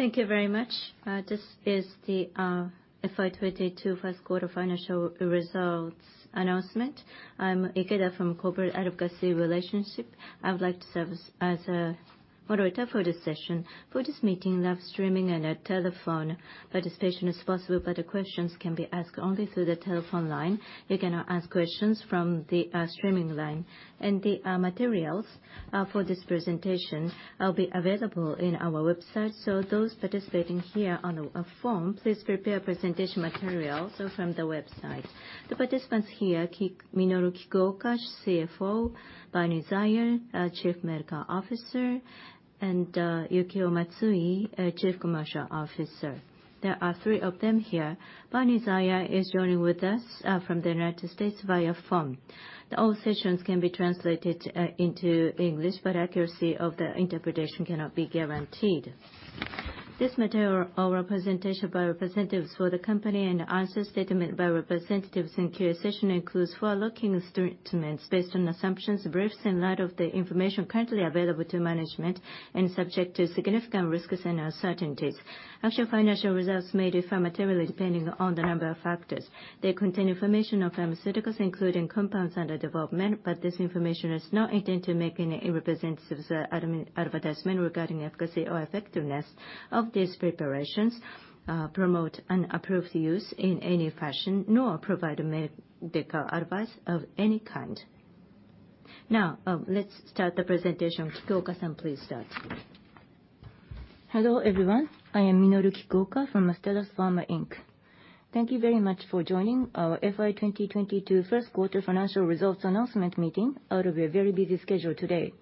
Thank you very much. This is the FY `2022 first quarter financial results announcement. I'm Ikeda from Corporate Advocacy and Relations. I would like to serve as moderator for this session. For this meeting, live streaming and telephone participation is possible, but questions can be asked only through the telephone line. You cannot ask questions from the streaming line. The materials for this presentation will be available in our website. Those participating here on a phone, please prepare presentation materials from the website. The participants here, Minoru Kikuoka, CFO, Bernie Zeiher, our Chief Medical Officer, and Yukio Matsui, our Chief Commercial Officer. There are three of them here. Bernie Zeiher is joining with us from the United States via phone. All sessions can be translated into English, but accuracy of the interpretation cannot be guaranteed. This material and representations by representatives for the company and the answers and statements by representatives in Q&A session include forward-looking statements based on assumptions, beliefs in light of the information currently available to management and subject to significant risks and uncertainties. Actual financial results may differ materially depending on a number of factors. They contain information on pharmaceuticals including compounds under development, but this information is not intended to make any representations or advertisements regarding efficacy or effectiveness of these preparations, promote unapproved use in any fashion, nor provide medical advice of any kind. Now, let's start the presentation. Kikuoka-san, please start. Hello, everyone. I am Minoru Kikuoka from Astellas Pharma Inc. Thank you very much for joining our FY 2022 first quarter financial results announcement meeting out of a very busy schedule today.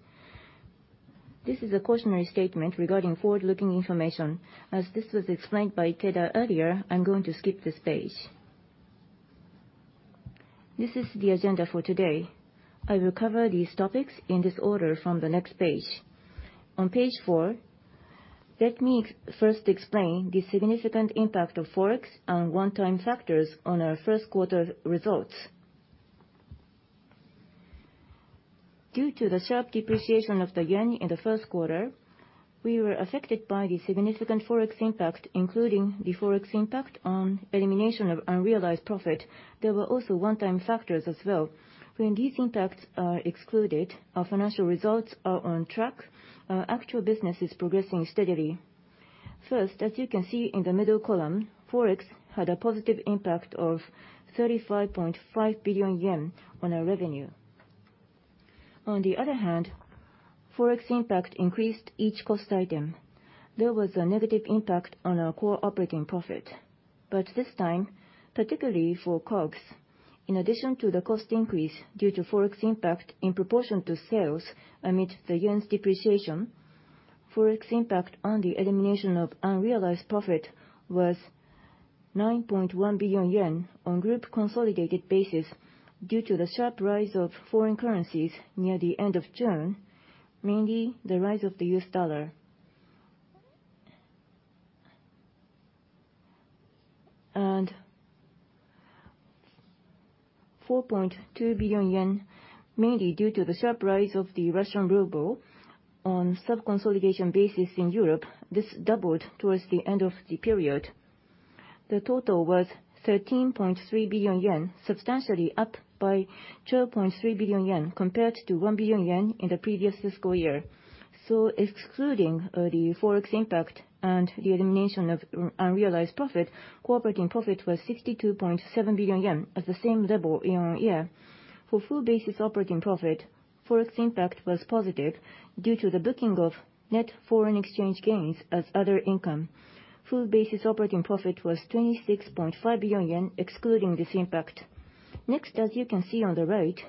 This is a cautionary statement regarding forward-looking information. As this was explained by Ikeda earlier, I'm going to skip this page. This is the agenda for today. I will cover these topics in this order from the next page. On page four, let me first explain the significant impact of Forex and one-time factors on our first quarter results. Due to the sharp depreciation of the yen in the first quarter, we were affected by the significant Forex impact, including the Forex impact on elimination of unrealized profit. There were also one-time factors as well. When these impacts are excluded, our financial results are on track. Our actual business is progressing steadily. First, as you can see in the middle column, Forex had a positive impact of 35.5 billion yen on our revenue. On the other hand, Forex impact increased each cost item. There was a negative impact on our core operating profit. This time, particularly for COGS, in addition to the cost increase due to Forex impact in proportion to sales amid the yen's depreciation, Forex impact on the elimination of unrealized profit was 9.1 billion yen on group consolidated basis due to the sharp rise of foreign currencies near the end of June, mainly the rise of the US dollar. Four point two billion yen, mainly due to the sharp rise of the Russian ruble on sub-consolidation basis in Europe. This doubled towards the end of the period. The total was 13.3 billion yen, substantially up by 12.3 billion yen compared to 1 billion yen in the previous fiscal year. Excluding the Forex impact and the elimination of unrealized profit, core operating profit was 62.7 billion yen at the same level year-on-year. For full basis operating profit, Forex impact was positive due to the booking of net foreign exchange gains as other income. Full basis operating profit was 26.5 billion yen excluding this impact. Next, as you can see on the right,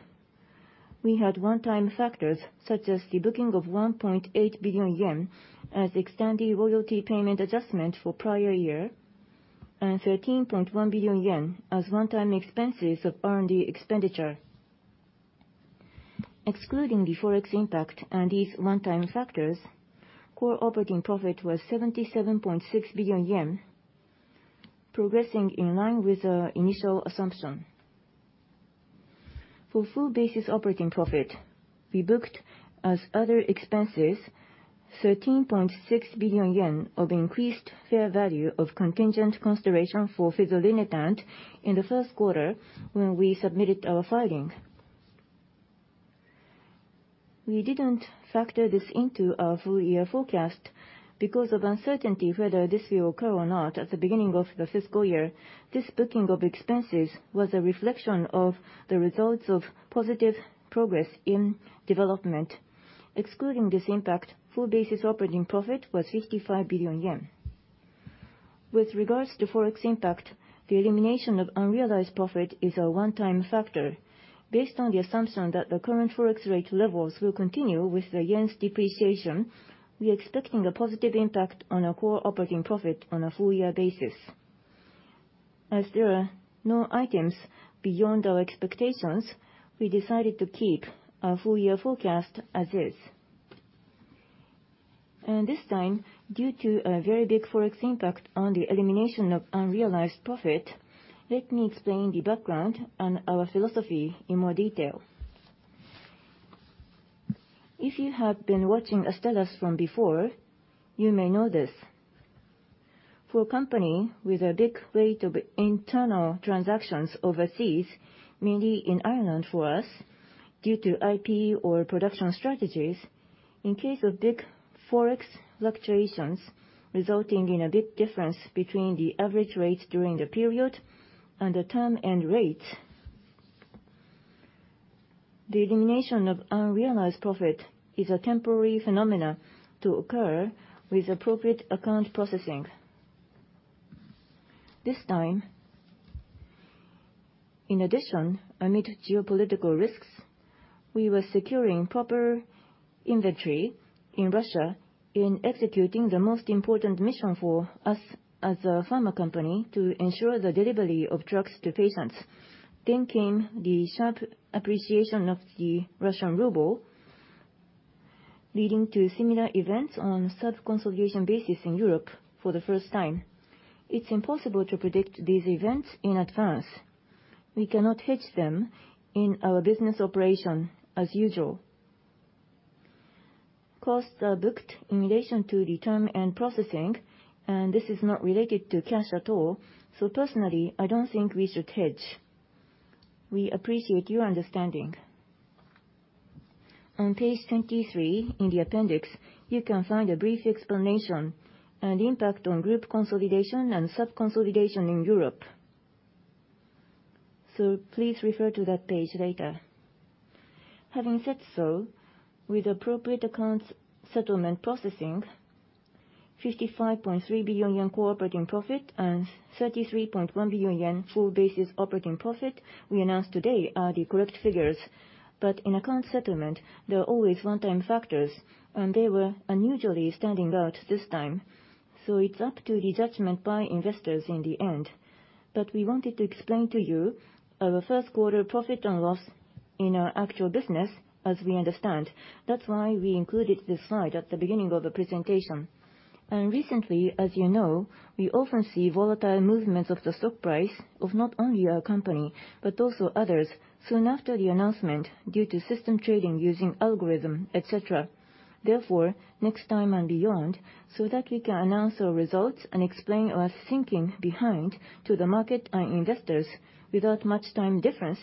we had one-time factors such as the booking of 1.8 billion yen as extended royalty payment adjustment for prior year and 13.1 billion yen as one-time expenses of R&D expenditure. Excluding the Forex impact and these one-time factors, core operating profit was 77.6 billion yen, progressing in line with our initial assumption. For full basis operating profit, we booked as other expenses 13.6 billion yen of increased fair value of contingent consideration for fezolinetant in the first quarter when we submitted our filing. We didn't factor this into our full year forecast because of uncertainty whether this will occur or not at the beginning of the fiscal year. This booking of expenses was a reflection of the results of positive progress in development. Excluding this impact, full basis operating profit was 55 billion yen. With regards to Forex impact, the elimination of unrealized profit is a one-time factor. Based on the assumption that the current Forex rate levels will continue with the yen's depreciation, we are expecting a positive impact on our core operating profit on a full year basis. As there are no items beyond our expectations, we decided to keep our full year forecast as is. This time, due to a very big Forex impact on the elimination of unrealized profit, let me explain the background and our philosophy in more detail. If you have been watching Astellas from before, you may know this. For a company with a big rate of internal transactions overseas, mainly in Ireland for us, due to IP or production strategies, in case of big Forex fluctuations resulting in a big difference between the average rate during the period and the term end rate, the elimination of unrealized profit is a temporary phenomenon to occur with appropriate accounting processing. This time, in addition, amid geopolitical risks, we were securing proper inventory in Russia in executing the most important mission for us as a pharma company to ensure the delivery of drugs to patients. Came the sharp appreciation of the Russian ruble, leading to similar events on sub-consolidation basis in Europe for the first time. It's impossible to predict these events in advance. We cannot hedge them in our business operation as usual. Costs are booked in relation to the term and processing, and this is not related to cash at all, so personally, I don't think we should hedge. We appreciate your understanding. On page 23 in the appendix, you can find a brief explanation and impact on group consolidation and sub-consolidation in Europe. Please refer to that page later. Having said so, with appropriate accounts settlement processing, 55.3 billion yen core operating profit and 33.1 billion yen underlying operating profit we announced today are the correct figures. In account settlement, there are always one-time factors, and they were unusually standing out this time. It's up to the judgment by investors in the end. We wanted to explain to you our first quarter profit and loss in our actual business as we understand. That's why we included this slide at the beginning of the presentation. Recently, as you know, we often see volatile movements of the stock price of not only our company, but also others soon after the announcement due to system trading using algorithm, et cetera. Therefore, next time and beyond, so that we can announce our results and explain our thinking behind to the market and investors without much time difference,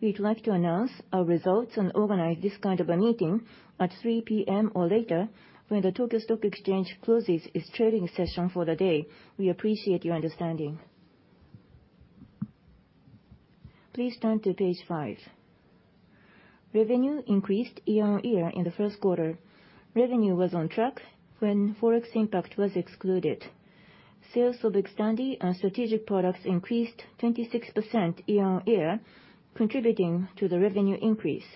we'd like to announce our results and organize this kind of a meeting at 3:00 P.M. or later when the Tokyo Stock Exchange closes its trading session for the day. We appreciate your understanding. Please turn to page five. Revenue increased year-on-year in the first quarter. Revenue was on track when Forex impact was excluded. Sales of Xtandi and strategic products increased 26% year-on-year, contributing to the revenue increase.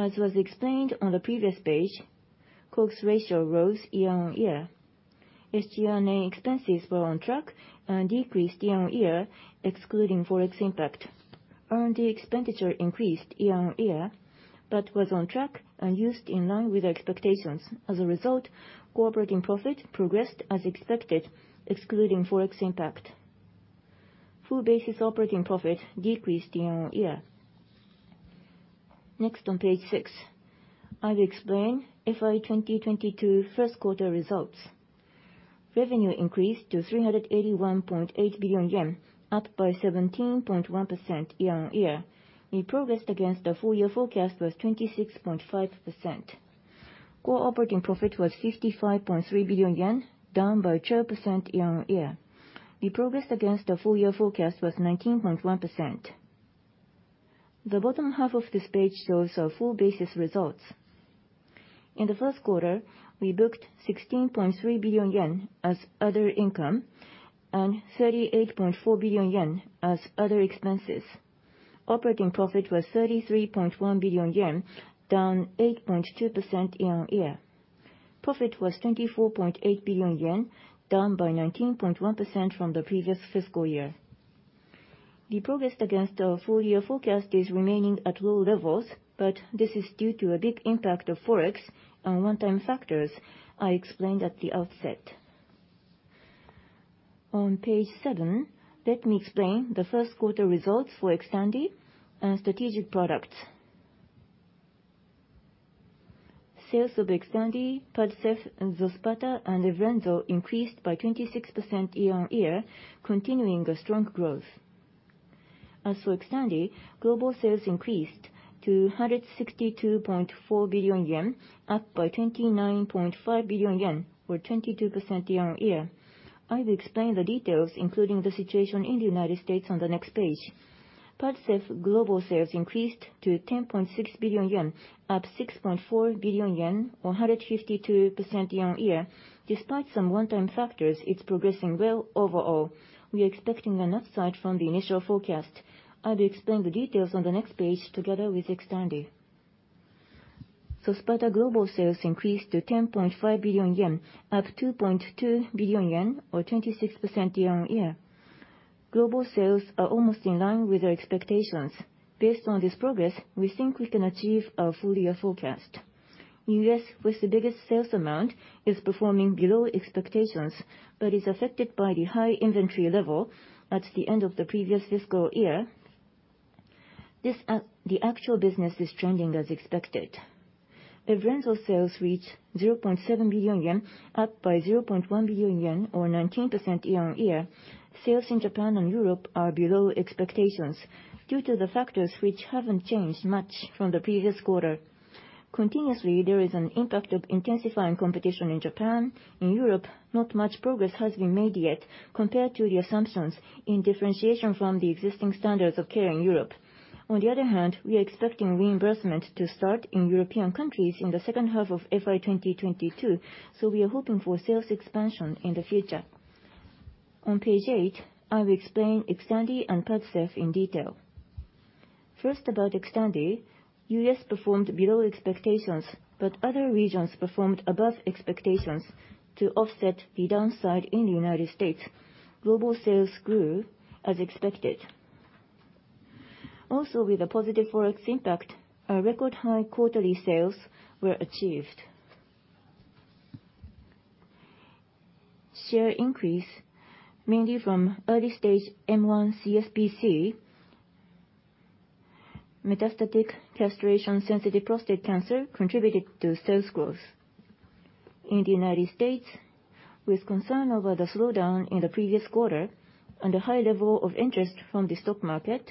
As was explained on the previous page, COGS ratio rose year-on-year. SG&A expenses were on track and decreased year-on-year, excluding Forex impact. R&D expenditure increased year-on-year, but was on track and used in line with expectations. As a result, core operating profit progressed as expected, excluding Forex impact. Full basis operating profit decreased year-on-year. Next, on page six, I will explain FY 2022 first quarter results. Revenue increased to 381.8 billion yen, up by 17.1% year-on-year. Progress against the full year forecast was 26.5%. Core operating profit was 55.3 billion yen, down by 12% year-on-year. Progress against the full year forecast was 19.1%. The bottom half of this page shows our full basis results. In the first quarter, we booked 16.3 billion yen as other income and 38.4 billion yen as other expenses. Operating profit was 33.1 billion yen, down 8.2% year-on-year. Profit was 24.8 billion yen, down by 19.1% from the previous fiscal year. The progress against our full year forecast is remaining at low levels, but this is due to a big impact of Forex and one-time factors I explained at the outset. On page seven, let me explain the first quarter results for Xtandi and strategic products. Sales of Xtandi, PADCEV, Xospata, and Evrenzo increased by 26% year-on-year, continuing a strong growth. As for Xtandi, global sales increased to 162.4 billion yen, up by 29.5 billion yen or 22% year-on-year. I will explain the details, including the situation in the United States on the next page. PADCEV global sales increased to 10.6 billion yen, up 6.4 billion yen or 152% year-on-year. Despite some one-time factors, it's progressing well overall. We are expecting an upside from the initial forecast. I will explain the details on the next page together with Xtandi. Xospata global sales increased to 10.5 billion yen, up 2.2 billion yen or 26% year-on-year. Global sales are almost in line with our expectations. Based on this progress, we think we can achieve our full year forecast. U.S. was the biggest sales amount, is performing below expectations, but is affected by the high inventory level at the end of the previous fiscal year. This, the actual business is trending as expected. Evrenzo sales reached 0.7 billion yen, up by 0.1 billion yen or 19% year-on-year. Sales in Japan and Europe are below expectations due to the factors which haven't changed much from the previous quarter. Continuously, there is an impact of intensifying competition in Japan. In Europe, not much progress has been made yet compared to the assumptions in differentiation from the existing standards of care in Europe. On the other hand, we are expecting reimbursement to start in European countries in the second half of FY 2022, so we are hoping for sales expansion in the future. On page eight, I will explain Xtandi and PADCEV in detail. First, about Xtandi, U.S. performed below expectations, but other regions performed above expectations to offset the downside in the United States. Global sales grew as expected. Also, with a positive Forex impact, a record high quarterly sales were achieved. Share increase mainly from early stage M1 CSPC, metastatic castration-sensitive prostate cancer contributed to sales growth. In the United States, with concern over the slowdown in the previous quarter and a high level of interest from the stock market,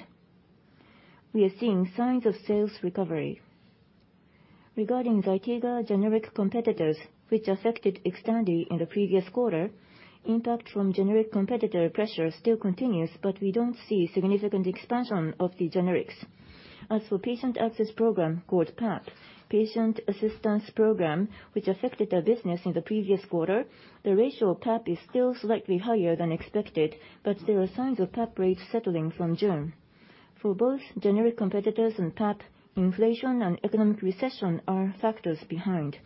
we are seeing signs of sales recovery. Regarding Zytiga generic competitors which affected Xtandi in the previous quarter, impact from generic competitor pressure still continues, but we don't see significant expansion of the generics. As for patient access program, called PAP, patient assistance program, which affected our business in the previous quarter, the ratio of PAP is still slightly higher than expected, but there are signs of PAP rates settling from June. For both generic competitors and PAP, inflation and economic recession are factors behind.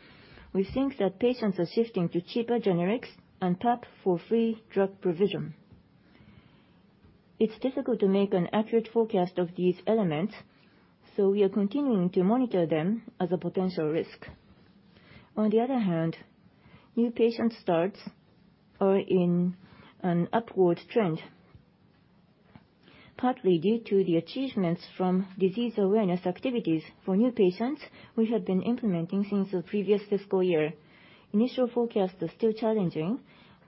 We think that patients are shifting to cheaper generics and PAP for free drug provision. It's difficult to make an accurate forecast of these elements, so we are continuing to monitor them as a potential risk. On the other hand, new patient starts are in an upward trend, partly due to the achievements from disease awareness activities for new patients we have been implementing since the previous fiscal year. Initial forecast is still challenging,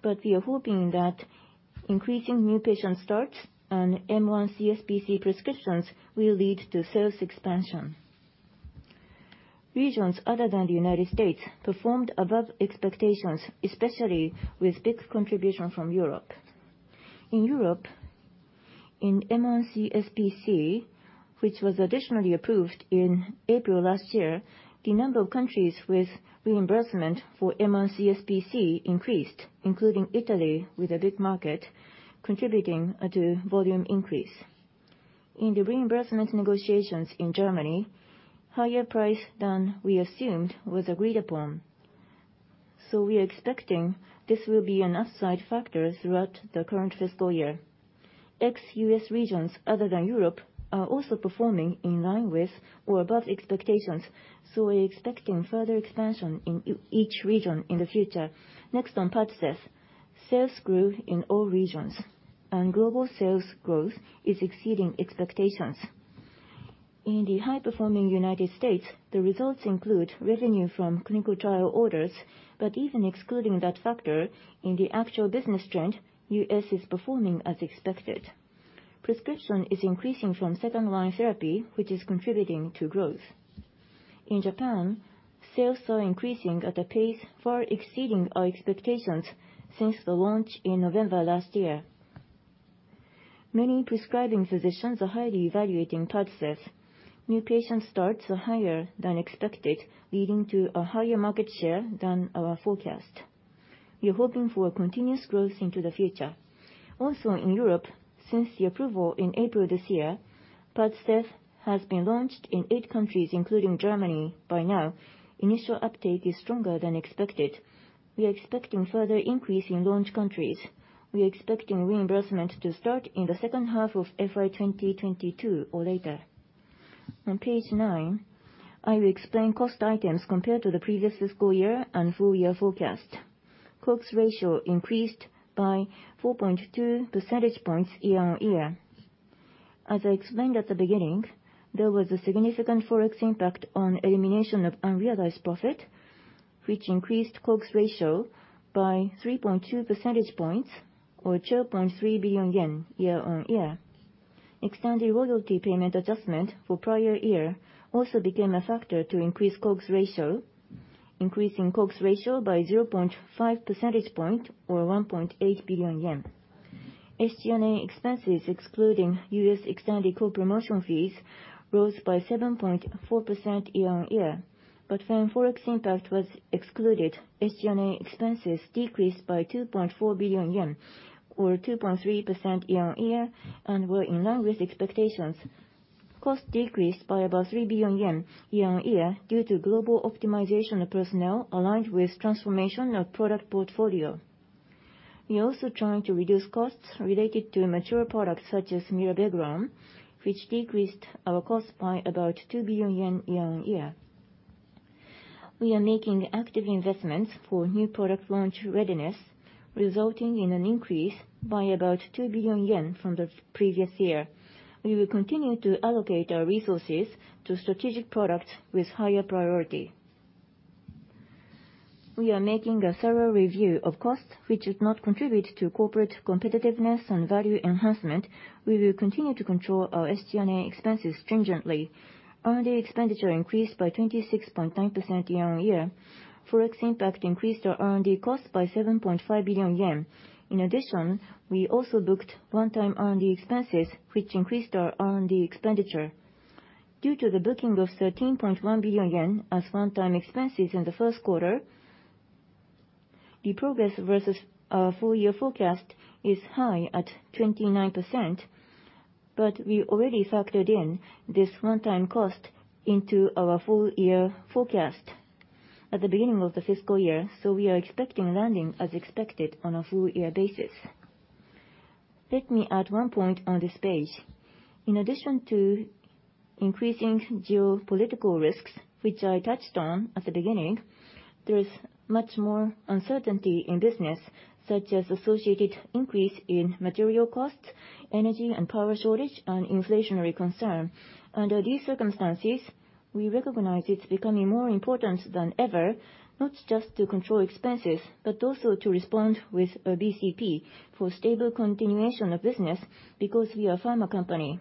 but we are hoping that increasing new patient starts and M1 CSPC prescriptions will lead to sales expansion. Regions other than the United States performed above expectations, especially with big contribution from Europe. In Europe, in M1 CSPC, which was additionally approved in April last year, the number of countries with reimbursement for M1 CSPC increased, including Italy with a big market contributing to volume increase. In the reimbursement negotiations in Germany, higher price than we assumed was agreed upon, so we are expecting this will be an upside factor throughout the current fiscal year. Ex-U.S. regions other than Europe are also performing in line with or above expectations, so we're expecting further expansion in each region in the future. Next, on PADCEV. Sales grew in all regions, and global sales growth is exceeding expectations. In the high-performing United States, the results include revenue from clinical trial orders, but even excluding that factor in the actual business trend, U.S. is performing as expected. Prescription is increasing from second-line therapy, which is contributing to growth. In Japan, sales are increasing at a pace far exceeding our expectations since the launch in November last year. Many prescribing physicians are highly evaluating PADCEV. New patient starts are higher than expected, leading to a higher market share than our forecast. We are hoping for a continuous growth into the future. Also, in Europe, since the approval in April this year, PADCEV has been launched in eight countries including Germany by now. Initial uptake is stronger than expected. We are expecting further increase in launch countries. We are expecting reimbursement to start in the second half of FY 2022 or later. On page nine, I will explain cost items compared to the previous fiscal year and full year forecast. COGS ratio increased by 4.2 percentage points year-on-year. As I explained at the beginning, there was a significant Forex impact on elimination of unrealized profit, which increased COGS ratio by 3.2 percentage points or 2.3 billion yen year-on-year. Xtandi royalty payment adjustment for prior year also became a factor to increase COGS ratio, increasing COGS ratio by 0.5 percentage point or 1.8 billion yen. SG&A expenses excluding U.S. Xtandi co-promotion fees rose by 7.4% year-on-year. When Forex impact was excluded, SG&A expenses decreased by 2.4 billion yen or 2.3% year-on-year and were in line with expectations. Cost decreased by about 3 billion yen year-on-year due to global optimization of personnel aligned with transformation of product portfolio. We also trying to reduce costs related to mature products such as mirabegron, which decreased our cost by about 2 billion yen year-on-year. We are making active investments for new product launch readiness, resulting in an increase by about 2 billion yen from the previous year. We will continue to allocate our resources to strategic products with higher priority. We are making a thorough review of costs which would not contribute to corporate competitiveness and value enhancement. We will continue to control our SG&A expenses stringently. R&D expenditure increased by 26.9% year-on-year. Forex impact increased our R&D costs by 7.5 billion yen. In addition, we also booked one-time R&D expenses, which increased our R&D expenditure. Due to the booking of 13.1 billion yen as one-time expenses in the first quarter, the progress versus our full year forecast is high at 29%, but we already factored in this one-time cost into our full year forecast at the beginning of the fiscal year, so we are expecting landing as expected on a full year basis. Let me add one point on this page. In addition to increasing geopolitical risks, which I touched on at the beginning, there is much more uncertainty in business, such as associated increase in material costs, energy and power shortage and inflationary concern. Under these circumstances, we recognize it's becoming more important than ever, not just to control expenses, but also to respond with a BCP for stable continuation of business because we are pharma company.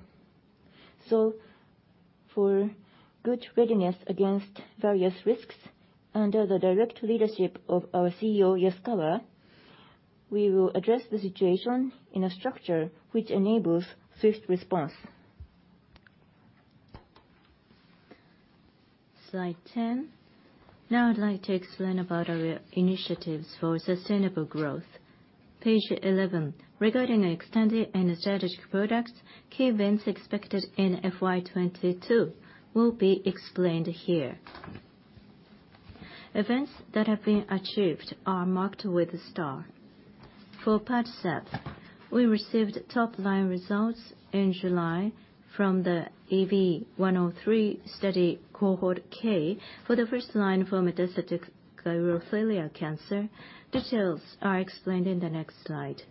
For good readiness against various risks, under the direct leadership of our CEO, Yasukawa, we will address the situation in a structure which enables swift response. Slide 10. Now I'd like to explain about our initiatives for sustainable growth. Page 11. Regarding extended and strategic products, key events expected in FY 2022 will be explained here. Events that have been achieved are marked with a star. For PADCEV, we received top-line results in July from the EV-103 study Cohort K for the first line for metastatic urothelial cancer. Details are explained in the next slide.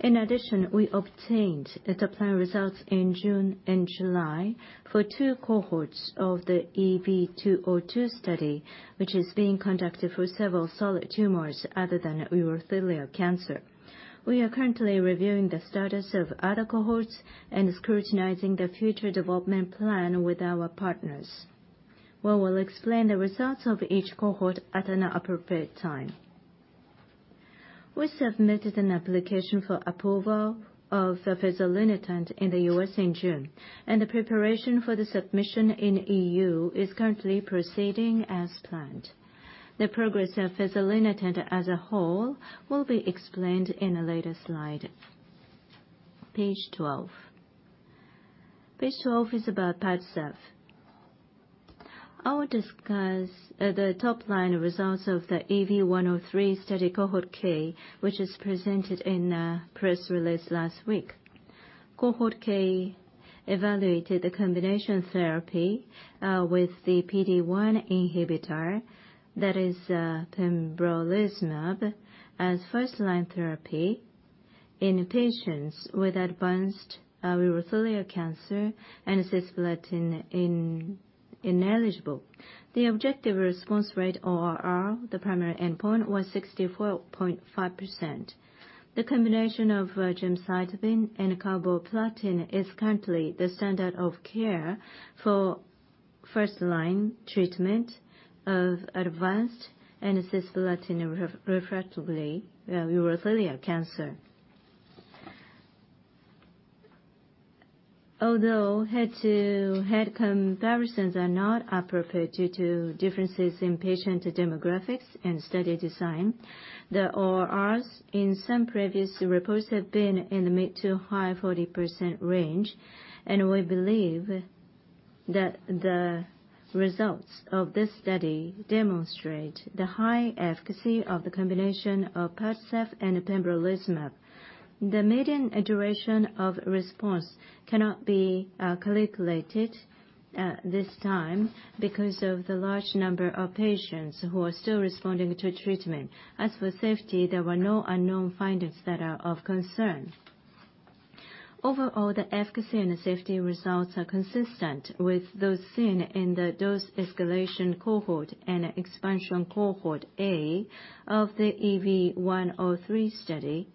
In addition, we obtained the top-line results in June and July for two cohorts of the EV-202 study, which is being conducted for several solid tumors other than urothelial cancer. We are currently reviewing the status of other cohorts and scrutinizing the future development plan with our partners. We will explain the results of each cohort at an appropriate time. We submitted an application for approval of fezolinetant in the U.S. in June, and the preparation for the submission in E.U. is currently proceeding as planned. The progress of fezolinetant as a whole will be explained in a later slide. Page 12. Page 12 is about PADCEV. I will discuss the top-line results of the EV-103 study Cohort K, which is presented in a press release last week. Cohort K evaluated the combination therapy with the PD-1 inhibitor, that is, pembrolizumab, as first-line therapy in patients with advanced urothelial cancer and cisplatin ineligible. The objective response rate, ORR, the primary endpoint, was 64.5%. The combination of gemcitabine and carboplatin is currently the standard of care for first-line treatment of advanced and cisplatin refractory urothelial cancer. Although head-to-head comparisons are not appropriate due to differences in patient demographics and study design, the ORRs in some previous reports have been in the mid to high 40% range, and we believe that the results of this study demonstrate the high efficacy of the combination of PADCEV and pembrolizumab. The median duration of response cannot be calculated at this time because of the large number of patients who are still responding to treatment. As for safety, there were no unknown findings that are of concern. Overall, the efficacy and safety results are consistent with those seen in the dose escalation cohort and expansion Cohort A of the EV-103 study,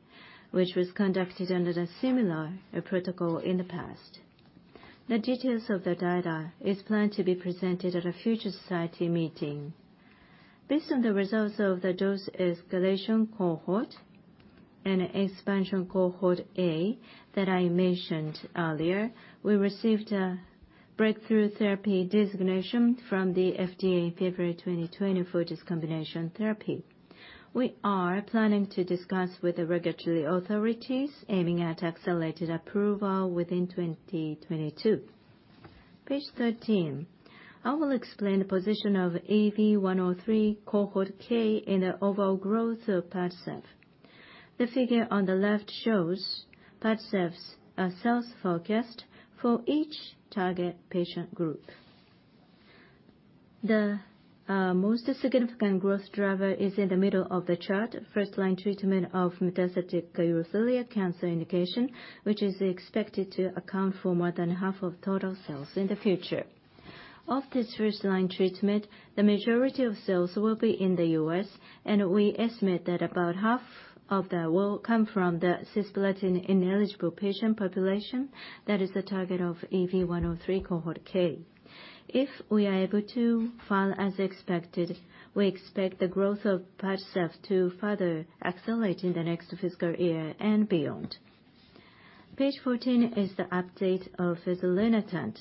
which was conducted under the similar protocol in the past. The details of the data is planned to be presented at a future society meeting. Based on the results of the dose escalation cohort and expansion cohort A that I mentioned earlier, we received a Breakthrough Therapy designation from the FDA in February 2020 for this combination therapy. We are planning to discuss with the regulatory authorities aiming at accelerated approval within 2022. Page 13. I will explain the position of EV-103 Cohort K in the overall growth of PADCEV. The figure on the left shows PADCEV's sales forecast for each target patient group. The most significant growth driver is in the middle of the chart. First line treatment of metastatic urothelial cancer indication, which is expected to account for more than half of total sales in the future. Of this first line treatment, the majority of sales will be in the U.S., and we estimate that about half of that will come from the cisplatin-ineligible patient population. That is the target of EV-103 Cohort K. If we are able to file as expected, we expect the growth of PADCEV to further accelerate in the next fiscal year and beyond. Page 14 is the update of fezolinetant.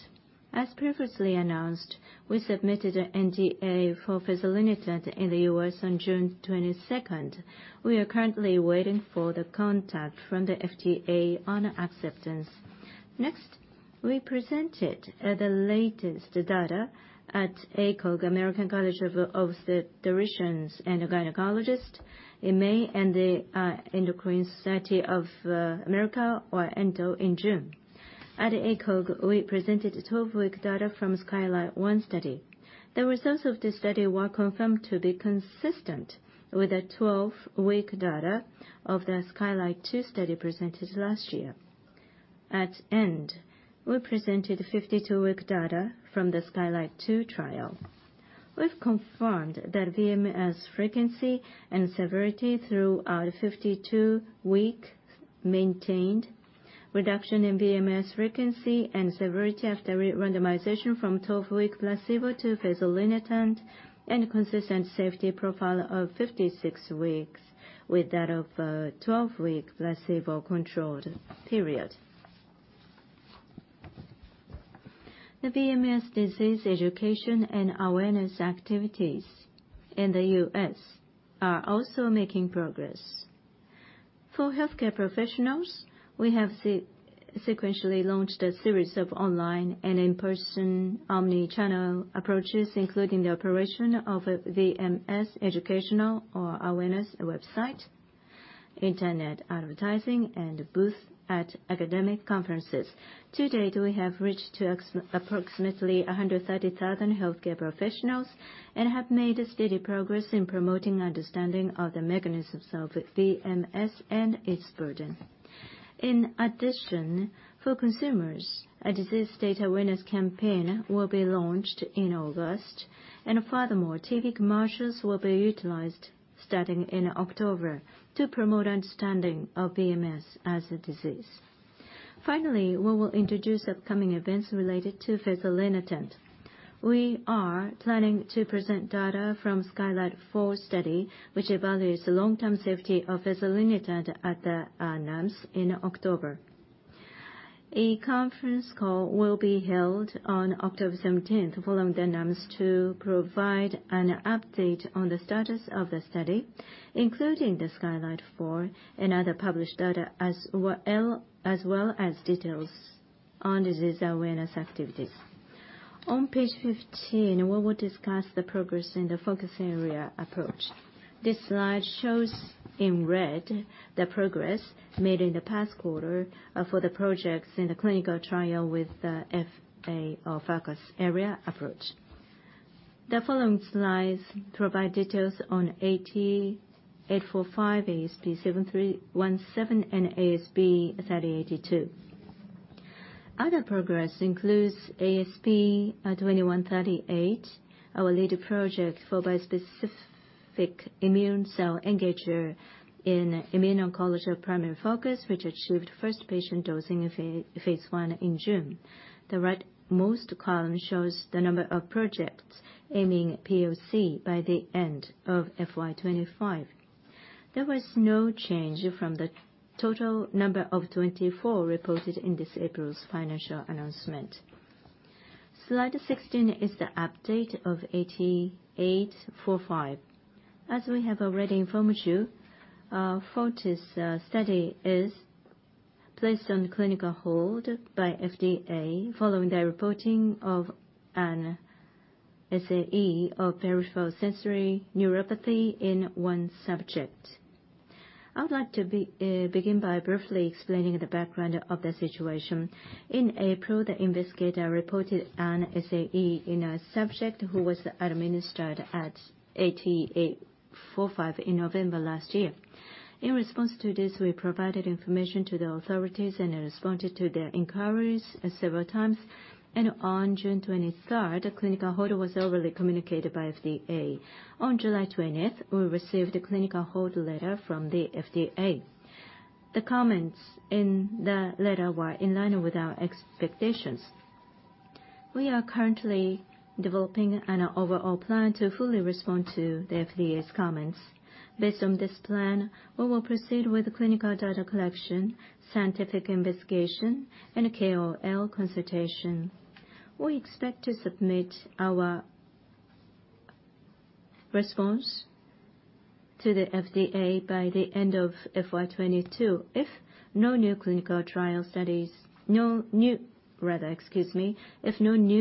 As previously announced, we submitted an NDA for fezolinetant in the U.S. on June 22nd. We are currently waiting for the contact from the FDA on acceptance. Next, we presented the latest data at ACOG, American College of Obstetricians and Gynecologists in May, and the Endocrine Society of America or ENDO in June. At ACOG, we presented 12-week data from SKYLIGHT 1 study. The results of this study were confirmed to be consistent with the 12-week data of the SKYLIGHT 2 study presented last year. At ENDO, we presented 52-week data from the SKYLIGHT 2 trial. We've confirmed that VMS frequency and severity throughout 52-week maintained. Reduction in VMS frequency and severity after re-randomization from 12-week placebo to fezolinetant and consistent safety profile of 56 weeks with that of 12-week placebo-controlled period. The VMS disease education and awareness activities in the U.S. are also making progress. For healthcare professionals, we have sequentially launched a series of online and in-person omni-channel approaches, including the operation of VMS educational or awareness website, internet advertising and booth at academic conferences. To date, we have reached approximately 130,000 healthcare professionals and have made a steady progress in promoting understanding of the mechanisms of VMS and its burden. In addition, for consumers, a disease data awareness campaign will be launched in August. Furthermore, TV commercials will be utilized starting in October to promote understanding of VMS as a disease. Finally, we will introduce upcoming events related to fezolinetant. We are planning to present data from SKYLIGHT 4 study, which evaluates the long-term safety of fezolinetant at the NAMS in October. A conference call will be held on October 17th following the NAMS to provide an update on the status of the study, including the SKYLIGHT 4 and other published data as well, as well as details on disease awareness activities. On page 15, we will discuss the progress in the Focus Area Approach. This slide shows in red the progress made in the past quarter for the projects in the clinical trial with the FA or Focus Area Approach. The following slides provide details on AT845, ASP7317, and ASP3082. Other progress includes ASP2138, our lead project for bispecific immune cell engager in immune-oncology primary focus, which achieved first patient dosing in phase l in June. The right-most column shows the number of projects aiming POC by the end of FY 2025. There was no change from the total number of 24 reported in this April's financial announcement. Slide 16 is the update of AT845. As we have already informed you, FORTIS study is placed on clinical hold by FDA following their reporting of an SAE of peripheral sensory neuropathy in one subject. I would like to begin by briefly explaining the background of the situation. In April, the investigator reported an SAE in a subject who was administered AT845 in November last year. In response to this, we provided information to the authorities and responded to their inquiries several times. On June 23rd, a clinical hold was formally communicated by FDA. On July 20th, we received a clinical hold letter from the FDA. The comments in the letter were in line with our expectations. We are currently developing an overall plan to fully respond to the FDA's comments. Based on this plan, we will proceed with clinical data collection, scientific investigation, and KOL consultation. We expect to submit our response to the FDA by the end of FY 2022. If no new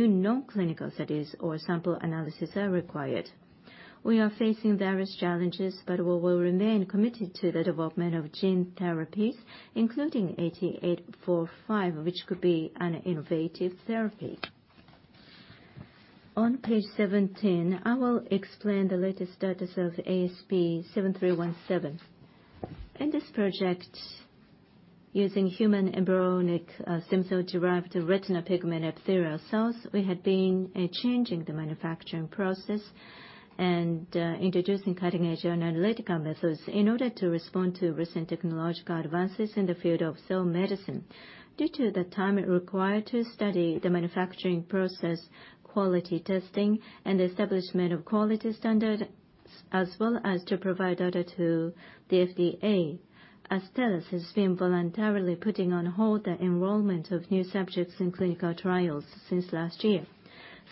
non-clinical studies or sample analysis are required. We are facing various challenges, but we will remain committed to the development of gene therapies, including AT845, which could be an innovative therapy. On page 17, I will explain the latest status of ASP7317. In this project, using human embryonic stem cell-derived retinal pigment epithelial cells, we had been changing the manufacturing process and introducing cutting-edge analytical methods in order to respond to recent technological advances in the field of cell medicine. Due to the time required to study the manufacturing process, quality testing, and the establishment of quality standards, as well as to provide data to the FDA, Astellas has been voluntarily putting on hold the enrollment of new subjects in clinical trials since last year.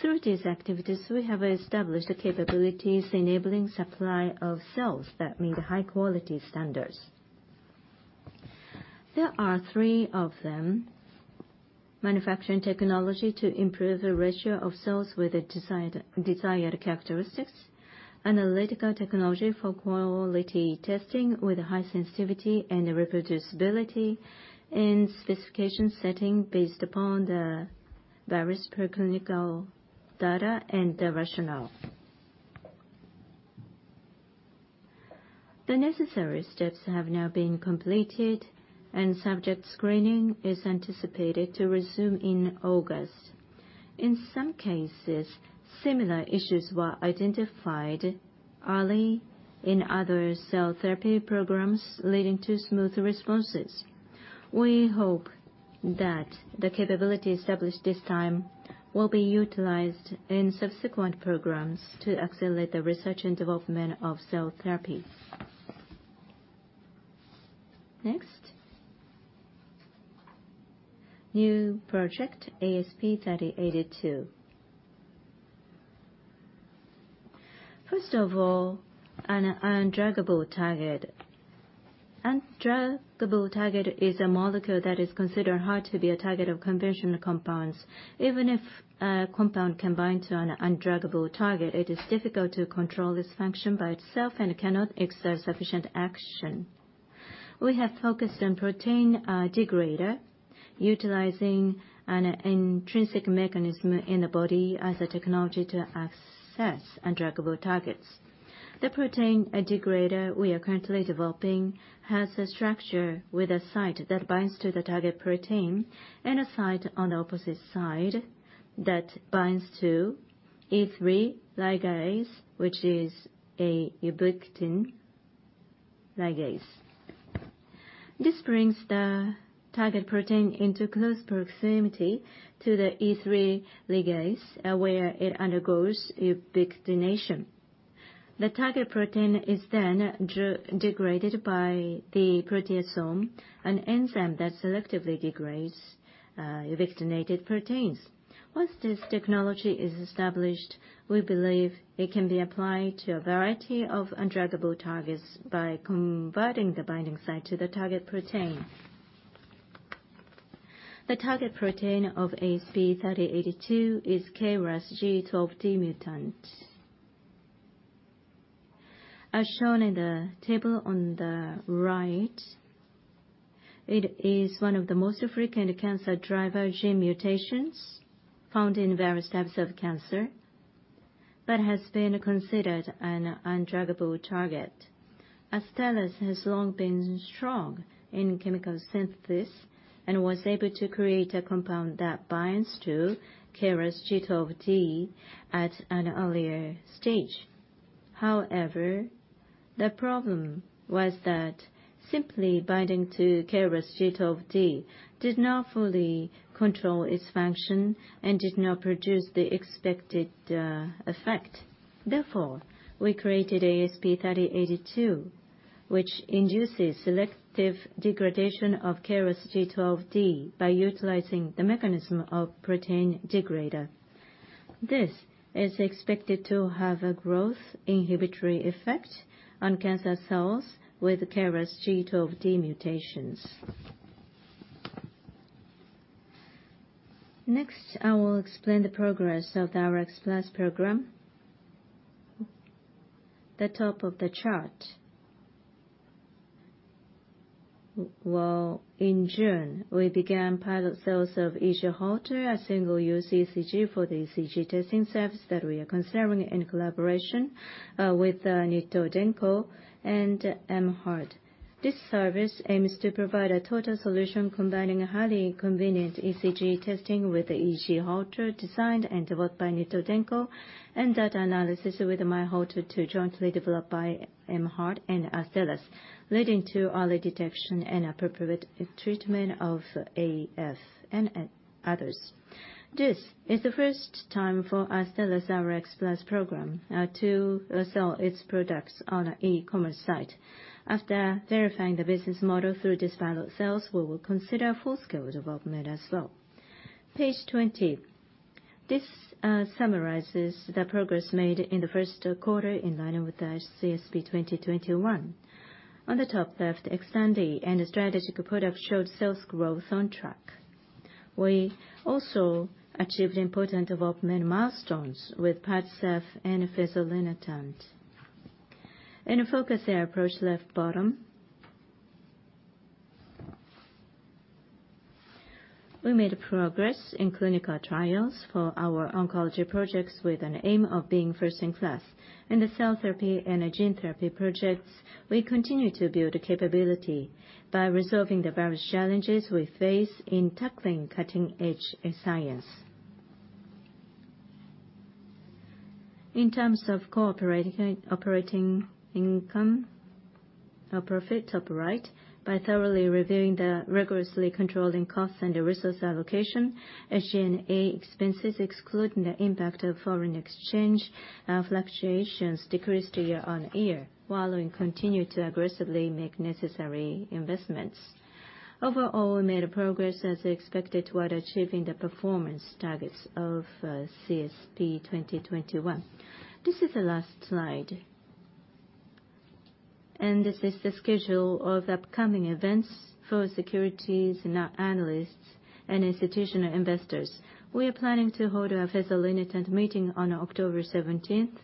Through these activities, we have established the capabilities enabling supply of cells that meet high quality standards. There are three of them. Manufacturing technology to improve the ratio of cells with the desired characteristics. Analytical technology for quality testing with high sensitivity and reproducibility. And specification setting based upon the various preclinical data and the rationale. The necessary steps have now been completed, and subject screening is anticipated to resume in August. In some cases, similar issues were identified early in other cell therapy programs, leading to smooth responses. We hope that the capabilities established this time will be utilized in subsequent programs to accelerate the research and development of cell therapies. Next. New project, ASP3082. First of all, an undruggable target. Undruggable target is a molecule that is considered hard to be a target of conventional compounds. Even if a compound can bind to an undruggable target, it is difficult to control its function by itself and cannot exert sufficient action. We have focused on protein degrader, utilizing an intrinsic mechanism in the body as a technology to access undruggable targets. The protein degrader we are currently developing has a structure with a site that binds to the target protein and a site on the opposite side that binds to E3 ligase, which is a ubiquitin ligase. This brings the target protein into close proximity to the E3 ligase, where it undergoes ubiquitination. The target protein is then degraded by the proteasome, an enzyme that selectively degrades ubiquitinated proteins. Once this technology is established, we believe it can be applied to a variety of undruggable targets by converting the binding site to the target protein. The target protein of ASP3082 is KRAS G12D mutant. As shown in the table on the right, it is one of the most frequent cancer driver gene mutations found in various types of cancer, but has been considered an undruggable target. Astellas has long been strong in chemical synthesis and was able to create a compound that binds to KRAS G12D at an earlier stage. However, the problem was that simply binding to KRAS G12D did not fully control its function and did not produce the expected effect. Therefore, we created ASP3082, which induces selective degradation of KRAS G12D by utilizing the mechanism of protein degrader. This is expected to have a growth inhibitory effect on cancer cells with KRAS G12D mutations. Next, I will explain the progress of our Rx+ program. The top of the chart. Well, in June, we began pilot sales of EG Holter, a single-use ECG for the ECG testing service that we are considering in collaboration with Nitto Denko and M. Heart. This service aims to provide a total solution combining a highly convenient ECG testing with the EG Holter designed and developed by Nitto Denko, and data analysis with MYHOLTER II jointly developed by M. Heart and Astellas, leading to early detection and appropriate treatment of AF and others. This is the first time for Astellas' Rx+ program to sell its products on an e-commerce site. After verifying the business model through these pilot sales, we will consider full-scale development as well. Page 20. This summarizes the progress made in the first quarter in line with the CSP2021. On the top left, Xtandi and strategic products showed sales growth on track. We also achieved important development milestones with PADCEV and fezolinetant. In the Focus Area approach, left bottom. We made progress in clinical trials for our oncology projects with an aim of being first-in-class. In the cell therapy and gene therapy projects, we continue to build capability by resolving the various challenges we face in tackling cutting-edge science. In terms of operating income or profit, top right, by thoroughly reviewing and rigorously controlling costs and the resource allocation, SG&A expenses, excluding the impact of foreign exchange fluctuations, decreased year-on-year, while we continue to aggressively make necessary investments. Overall, we made progress as expected toward achieving the performance targets of CSP2021. This is the last slide. This is the schedule of upcoming events for securities analysts and institutional investors. We are planning to hold our fezolinetant meeting on October seventeenth.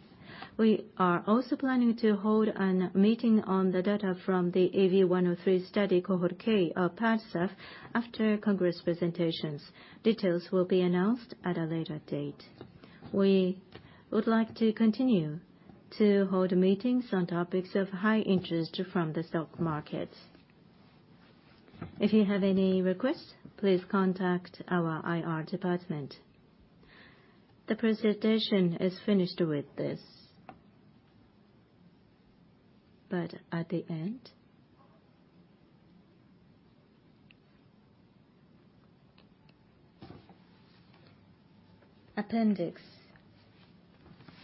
We are also planning to hold a meeting on the data from the EV-103 study cohort K of PADCEV after Congress presentations. Details will be announced at a later date. We would like to continue to hold meetings on topics of high interest from the stock markets. If you have any requests, please contact our IR department. The presentation is finished with this. At the end, appendix.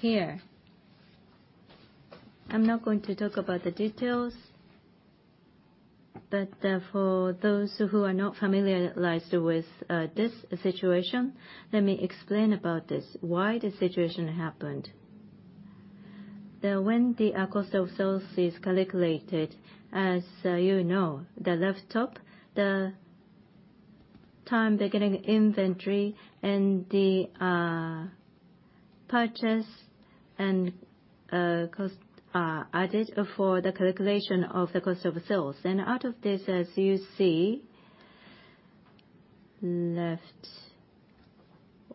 Here. I'm not going to talk about the details, but for those who are not familiar with this situation, let me explain about this, why this situation happened. When the cost of sales is calculated, as you know, the left top, the beginning inventory and the purchase and cost added for the calculation of the cost of sales. Out of this, as you see, left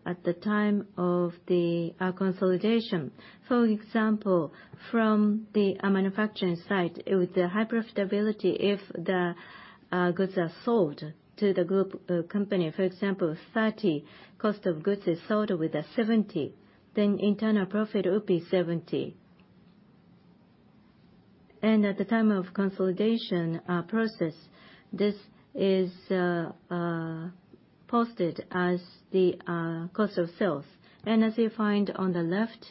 at the time of the consolidation. For example, from the manufacturing site, it would have profitability if the goods are sold to the group company. For example, 30 cost of goods is sold with a 70, then internal profit would be 70. At the time of consolidation process, this is posted as the cost of sales. As you find on the left,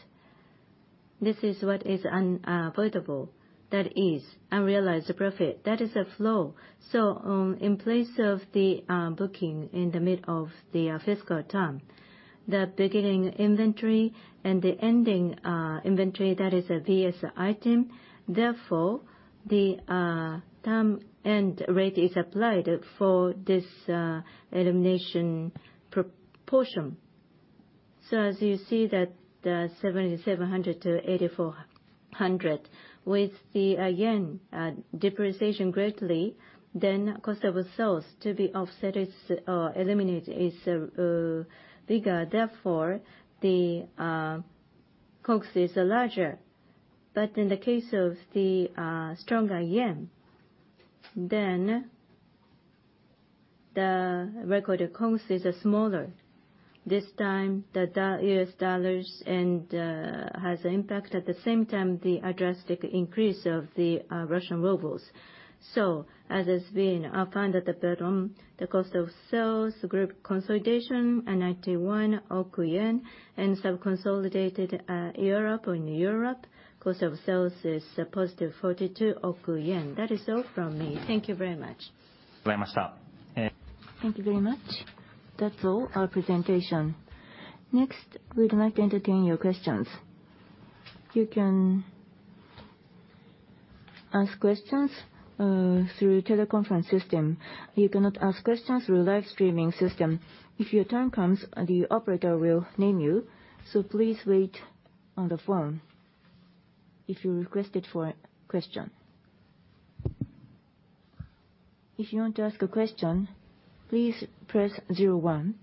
this is what is unavoidable. That is unrealized profit. That is a flow. In place of the booking in the mid of the fiscal term, the beginning inventory and the ending inventory, that is a VS item. Therefore, the term and rate is applied for this elimination proportion. As you see that the 7,700-8,400 with the yen depreciation greatly, then cost of sales to be offset is eliminated, is bigger. Therefore, the COGS is larger. In the case of the stronger yen, then the recorded COGS is smaller. This time, the US dollars and has impact. At the same time, the drastic increase of the Russian rubles. As has been found at the bottom, the cost of sales group consolidation, 91 billion, and sub-consolidated in Europe, cost of sales is positive 42 billion. That is all from me. Thank you very much. Thank you very much. That's all our presentation. Next, we'd like to entertain your questions. You can ask questions through teleconference system. You cannot ask questions through live streaming system. If your time comes, the operator will name you, so please wait on the phone if you requested for a question. If you want to ask a question, please press zero one.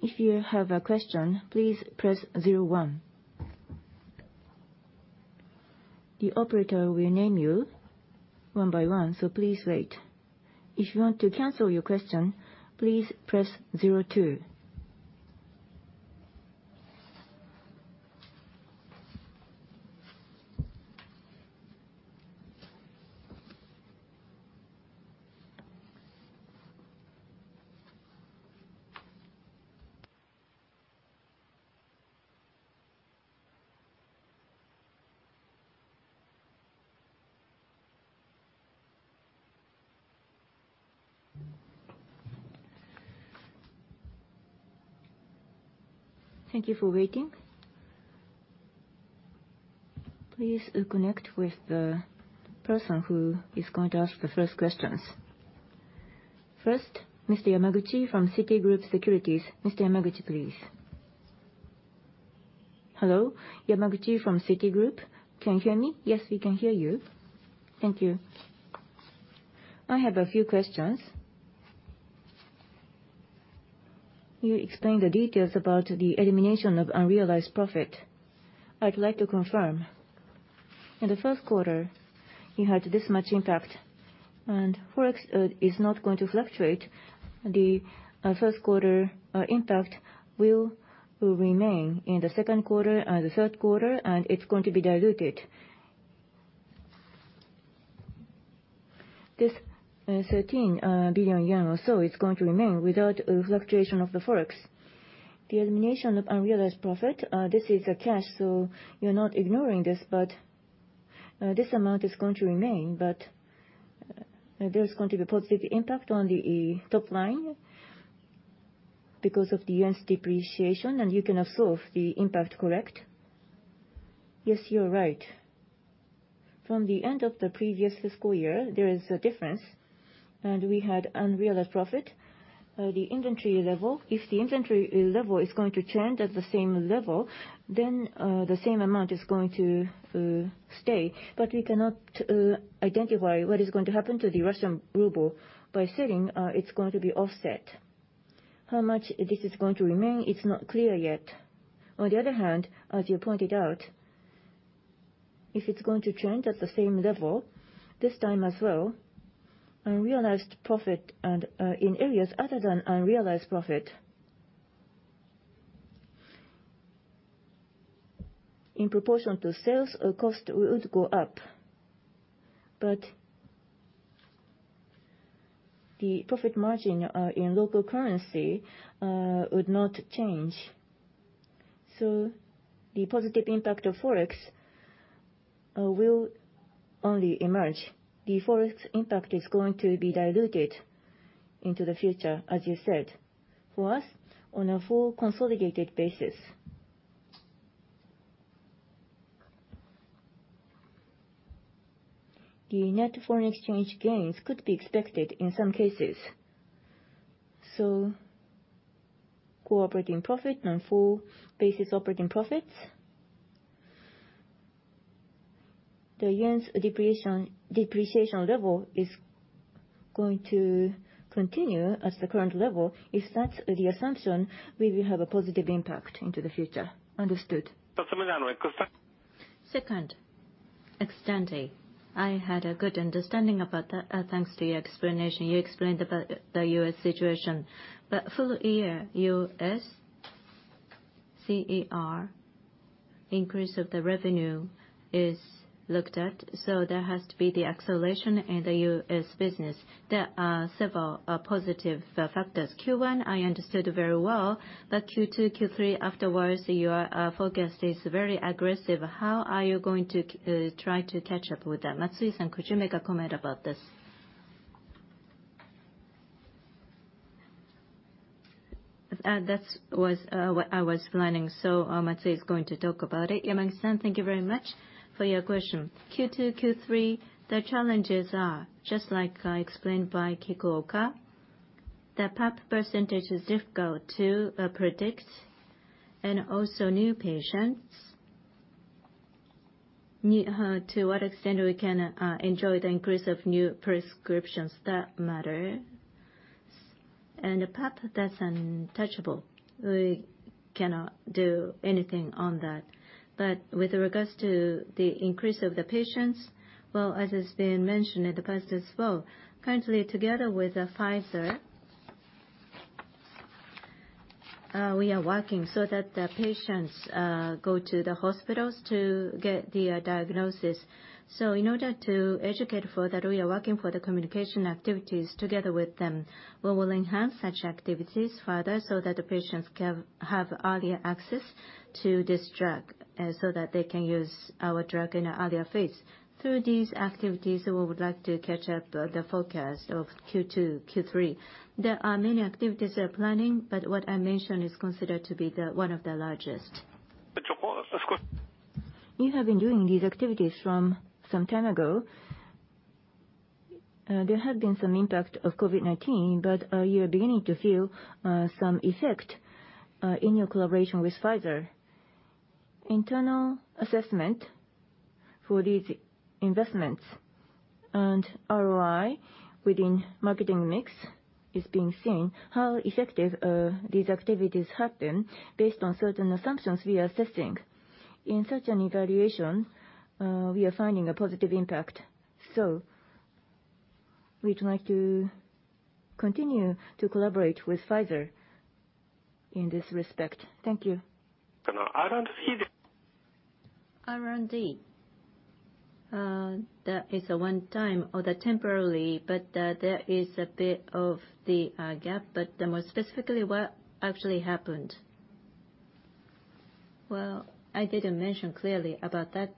If you have a question, please press zero one. The operator will name you one by one, so please wait. If you want to cancel your question, please press zero two. Thank you for waiting. Please connect with the person who is going to ask the first questions. First, Mr. Yamaguchi from Citigroup Securities. Mr. Yamaguchi, please. Hello, Yamaguchi from Citigroup. Can you hear me? Yes, we can hear you. Thank you. I have a few questions. You explained the details about the elimination of unrealized profit. I'd like to confirm. In the first quarter, you had this much impact, and Forex is not going to fluctuate. The first quarter impact will remain in the second quarter and the third quarter, and it's going to be diluted. This 13 billion yen or so is going to remain without a fluctuation of the Forex. The elimination of unrealized profit, this is a cash, so you're not ignoring this. This amount is going to remain, but there's going to be positive impact on the top line because of the yen's depreciation, and you can absorb the impact, correct? Yes, you are right. From the end of the previous fiscal year, there is a difference, and we had unrealized profit. If the inventory level is going to trend at the same level, then the same amount is going to stay. We cannot identify what is going to happen to the Russian ruble by saying it's going to be offset. How much this is going to remain, it's not clear yet. On the other hand, as you pointed out, if it's going to trend at the same level this time as well, unrealized profit and in areas other than unrealized profit, in proportion to sales, our cost would go up. The profit margin in local currency would not change. The positive impact of Forex will only emerge. The Forex impact is going to be diluted into the future, as you said. For us, on a full consolidated basis. The net foreign exchange gains could be expected in some cases. Core operating profit on full basis operating profits. The yen's depreciation level is going to continue at the current level. If that's the assumption, we will have a positive impact into the future. Understood. Second, Xtandi. I had a good understanding about that, thanks to your explanation. You explained about the U.S. situation. Full year U.S. CER increase of the revenue is looked at, so there has to be the acceleration in the U.S. business. There are several positive factors. Q1, I understood very well, but Q2, Q3 afterwards, your forecast is very aggressive. How are you going to try to catch up with that? Matsui-san, could you make a comment about this? That was what I was planning. Matsui is going to talk about it. Yamaguchi-san, thank you very much for your question. Q2, Q3, the challenges are just like explained by Kikuoka. The PAP percentage is difficult to predict. Also new patients. To what extent we can enjoy the increase of new prescriptions, that matter. PAP, that's untouchable. We cannot do anything on that. With regards to the increase of the patients, well, as has been mentioned in the past as well, currently together with Pfizer, we are working so that the patients go to the hospitals to get the diagnosis. In order to educate for that, we are working for the communication activities together with them. We will enhance such activities further so that the patients can have earlier access to this drug, so that they can use our drug in an earlier phase. Through these activities, we would like to catch up the forecast of Q2, Q3. There are many activities we are planning, but what I mentioned is considered to be the one of the largest. You have been doing these activities from some time ago. There had been some impact of COVID-19, but are you beginning to feel some effect in your collaboration with Pfizer? Internal assessment for these investments and ROI within marketing mix is being seen. How effective these activities have been based on certain assumptions we are assessing. In such an evaluation, we are finding a positive impact. We'd like to continue to collaborate with Pfizer in this respect. Thank you. Around the R&D, that is a one time or the temporarily, but there is a bit of the gap. More specifically, what actually happened? Well, I didn't mention clearly about that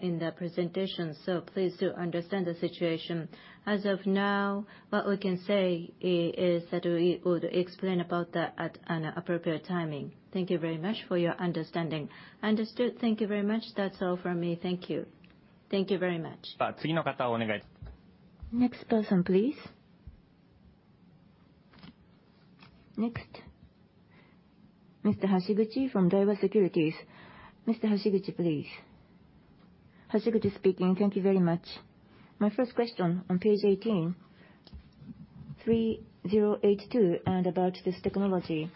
in the presentation, so please do understand the situation. As of now, what we can say is that we would explain about that at an appropriate timing. Thank you very much for your understanding. Understood. Thank you very much. That's all from me. Thank you. Thank you very much. Next person, please. Next. Mr. Hashiguchi from Daiwa Securities. Mr. Hashiguchi, please. Hashiguchi speaking. Thank you very much. My first question, on page 18, ASP3082 and about this technology.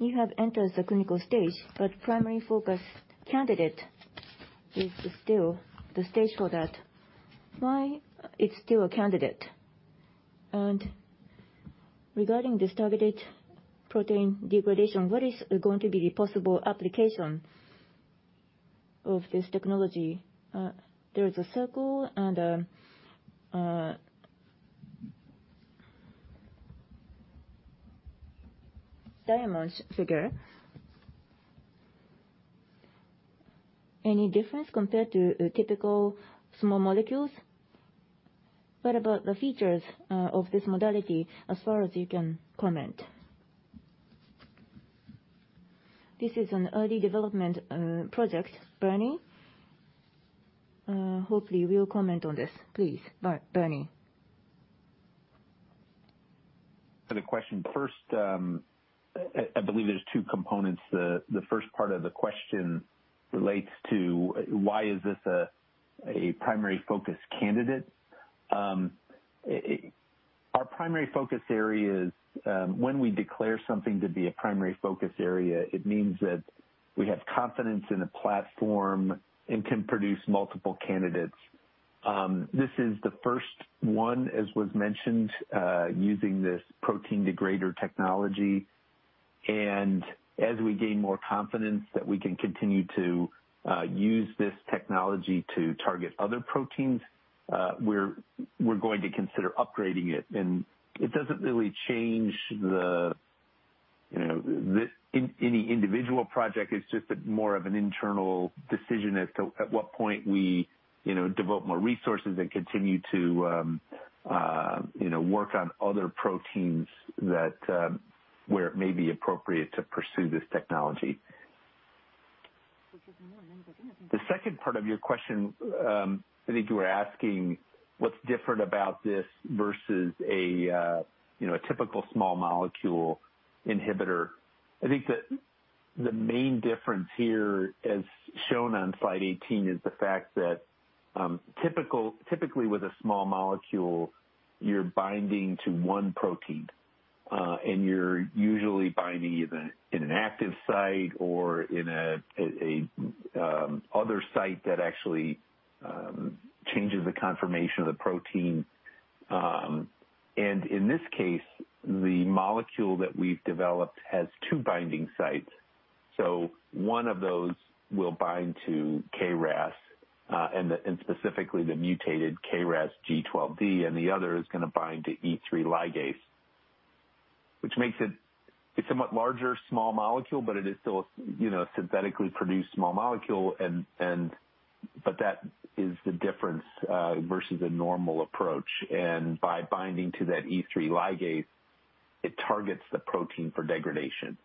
You have entered the clinical stage, but primary focus candidate is still the stage for that. Why it's still a candidate? And regarding this targeted protein degradation, what is going to be the possible application of this technology? There is a circle and diamonds figure. Any difference compared to typical small molecules? What about the features of this modality as far as you can comment? This is an early development project, Bernie. Hopefully we'll comment on this, please, Bernie. For the question first, I believe there's two components. The first part of the question relates to why is this a primary focus candidate. Our primary focus area is, when we declare something to be a primary focus area, it means that we have confidence in the platform and can produce multiple candidates. This is the first one, as was mentioned, using this protein degrader technology. As we gain more confidence that we can continue to use this technology to target other proteins, we're going to consider upgrading it. It doesn't really change, you know, than any individual project. It's just more of an internal decision as to at what point we, you know, devote more resources and continue to, you know, work on other proteins that, where it may be appropriate to pursue this technology. The second part of your question, I think you were asking what's different about this versus a, you know, a typical small molecule inhibitor. I think the main difference here, as shown on slide 18, is the fact that, typically with a small molecule, you're binding to one protein. You're usually binding either in an active site or in a other site that actually changes the conformation of the protein. In this case, the molecule that we've developed has two binding sites. One of those will bind to KRAS, and specifically the mutated KRAS G12D, and the other is gonna bind to E3 ligase. Which makes it a somewhat larger small molecule, but it is still a synthetically produced small molecule, but that is the difference versus a normal approach. By binding to that E3 ligase, it targets the protein for degradation.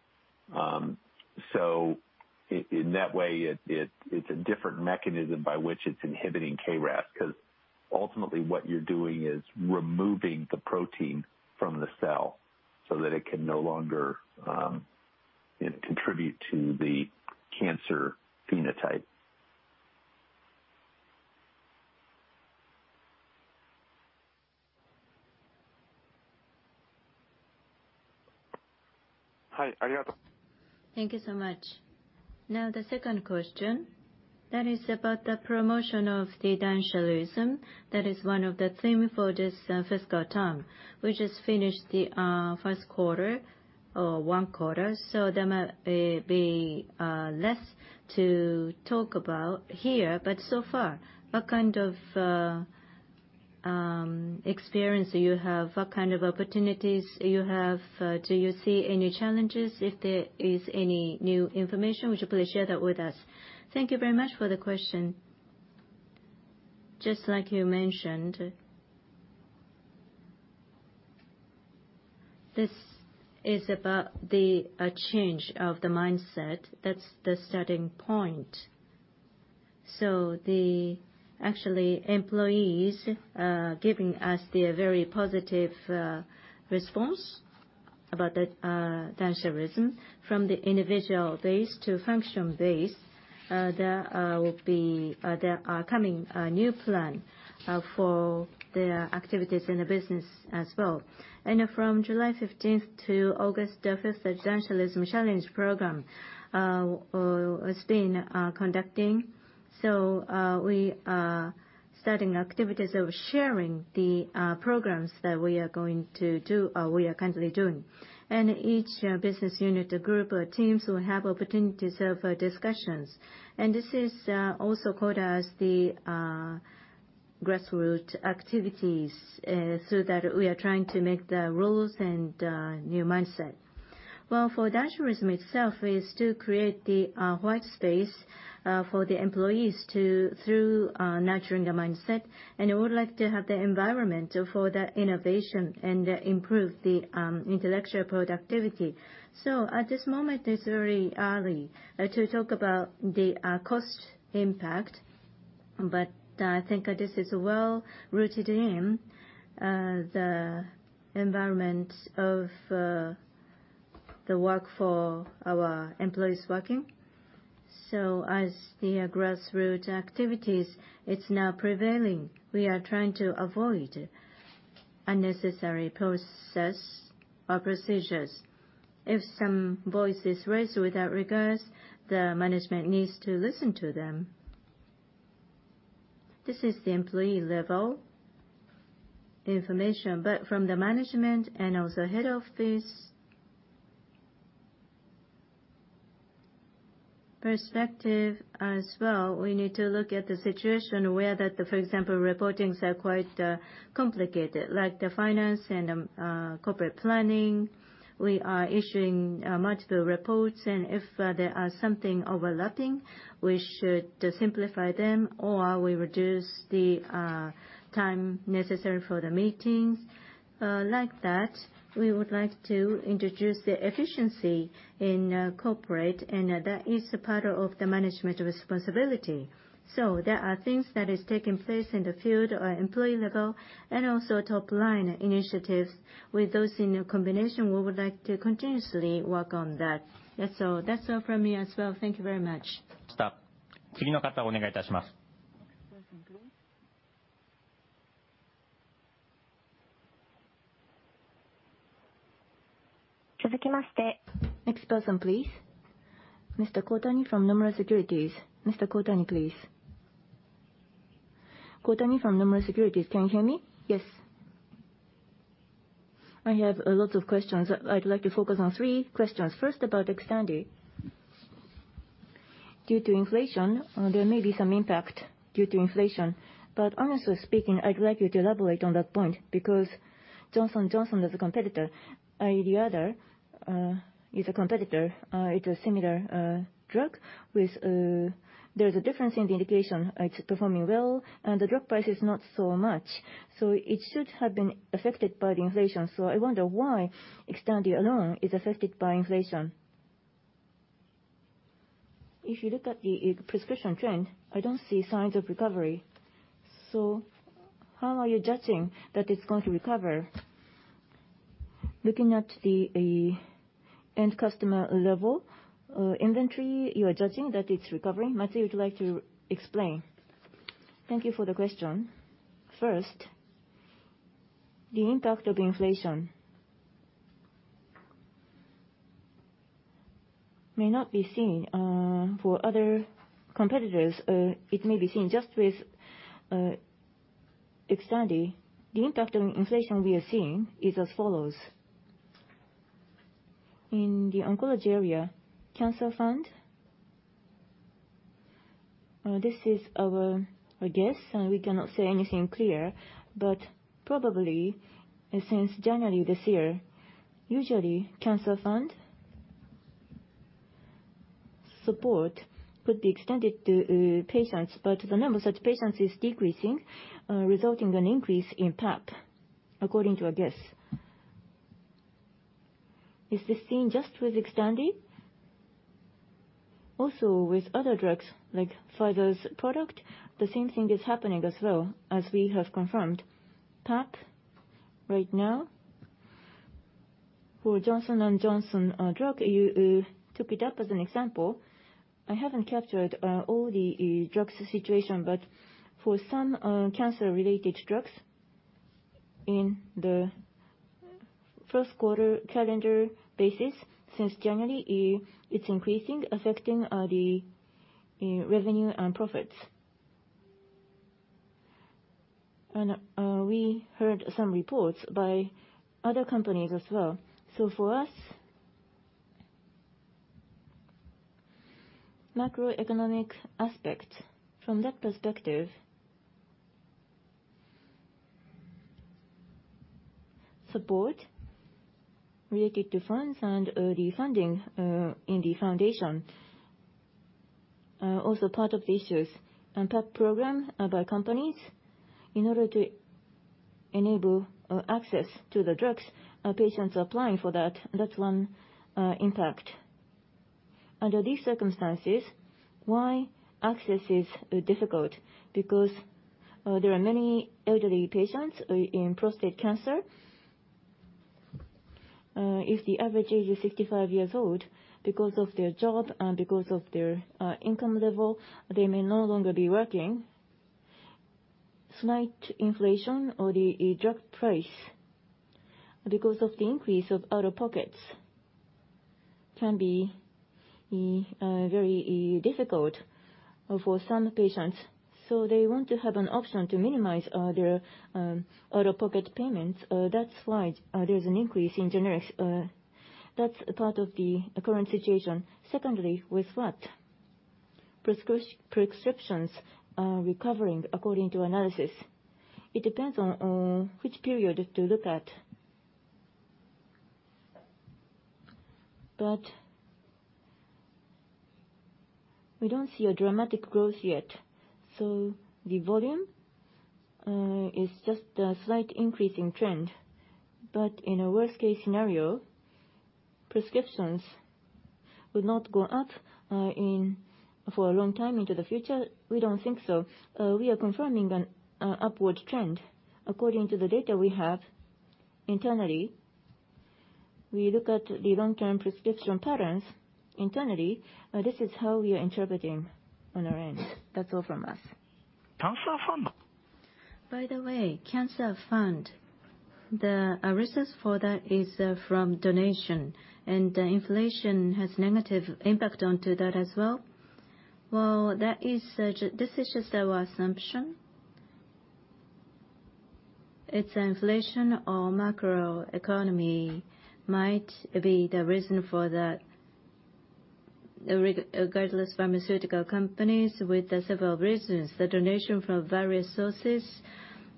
In that way, it's a different mechanism by which it's inhibiting KRAS. Because ultimately, what you're doing is removing the protein from the cell so that it can no longer contribute to the cancer phenotype. Hi. Thank you so much. Now, the second question, that is about the promotion of the Dansharism. That is one of the theme for this fiscal term. We just finished the first quarter or one quarter, so there might be less to talk about here. So far, what kind of experience do you have? What kind of opportunities you have? Do you see any challenges? If there is any new information, would you please share that with us? Thank you very much for the question. Just like you mentioned, this is about the change of the mindset. That's the starting point. Actually employees giving us their very positive response about the Dansharismfrom the individual base to function base. There are coming a new plan for their activities in the business as well. From July 15th to August 5th, the Dansharism Challenge Program has been conducting. We are starting activities of sharing the programs that we are going to do, we are currently doing. Each business unit group or teams will have opportunities of discussions. This is also called as the grassroots activities, so that we are trying to make the rules and new mindset. Well, for Dansharism itself is to create the white space for the employees through nurturing the mindset. We would like to have the environment for the innovation and improve the intellectual productivity. At this moment, it's very early to talk about the cost impact, but I think this is well-rooted in the environment of the work for our employees working. As the grassroots activities, it's now prevailing. We are trying to avoid unnecessary process or procedures. If some voice is raised without regards, the management needs to listen to them. This is the employee level information, but from the management and also head office perspective as well, we need to look at the situation where that, for example, reportings are quite complicated, like the finance and corporate planning. We are issuing multiple reports, and if there are something overlapping, we should simplify them or we reduce the time necessary for the meetings. Like that, we would like to introduce the efficiency in corporate and that is part of the management responsibility. There are things that is taking place in the field or employee level and also top-line initiatives. With those in combination, we would like to continuously work on that. Thats all. That's all from me as well. Thank you very much. Next person, please. Mr. Koutani from Nomura Securities. Mr. Kotani, please. Koutani from Nomura Securities, can you hear me? Yes. I have a lot of questions. I'd like to focus on three questions. First, about Xtandi. Due to inflation, there may be some impact due to inflation. But honestly speaking, I'd like you to elaborate on that point because Johnson & Johnson is a competitor. ERLEADA is a competitor. It's a similar drug with, there's a difference in the indication. It's performing well and the drug price is not so much. So it should have been affected by the inflation. So I wonder why Xtandi alone is affected by inflation. If you look at the prescription trend, I don't see signs of recovery. So how are you judging that it's going to recover? Looking at the end customer level, inventory, you are judging that it's recovering. Matsui, would you like to explain? Thank you for the question. First, the impact of inflation may not be seen for other competitors. It may be seen just with Xtandi. The impact of inflation we are seeing is as follows. In the oncology area, cancer fund, this is our guess and we cannot say anything clear. Probably since January this year, usually cancer fund support could be extended to patients. The number of such patients is decreasing, resulting in an increase in PAP, according to our guess. Is this seen just with Xtandi? Also with other drugs like Pfizer's product, the same thing is happening as well, as we have confirmed. PAP right now for Johnson & Johnson drug, you took it up as an example. I haven't captured all the drugs situation, but for some cancer-related drugs in the first quarter calendar basis since January, it's increasing, affecting the revenue and profits. We heard some reports by other companies as well. For us, macroeconomic aspect, from that perspective, support related to funds and the funding in the foundation are also part of the issues. PAP program by companies in order to enable access to the drugs are patients applying for that. That's one impact. Under these circumstances, why access is difficult? Because there are many elderly patients in prostate cancer. If the average age is 65 years old, because of their job and because of their income level, they may no longer be working. Slight inflation or the drug price because of the increase of out-of-pocket can be very difficult for some patients. They want to have an option to minimize their out-of-pocket payments. That's why there's an increase in generics. That's part of the current situation. Secondly, prescriptions are recovering according to analysis. It depends on which period to look at. We don't see a dramatic growth yet, so the volume is just a slight increase in trend. In a worst case scenario, prescriptions will not go up for a long time into the future. We don't think so. We are confirming an upward trend according to the data we have internally. We look at the long-term prescription patterns internally. This is how we are interpreting on our end. That's all from us. Cancer Fund. By the way, cancer fund, the reasons for that is from donation and inflation has negative impact onto that as well? Well, that is, this is just our assumption. It's inflation or macro economy might be the reason for that. Regardless, pharmaceutical companies with several reasons, the donation from various sources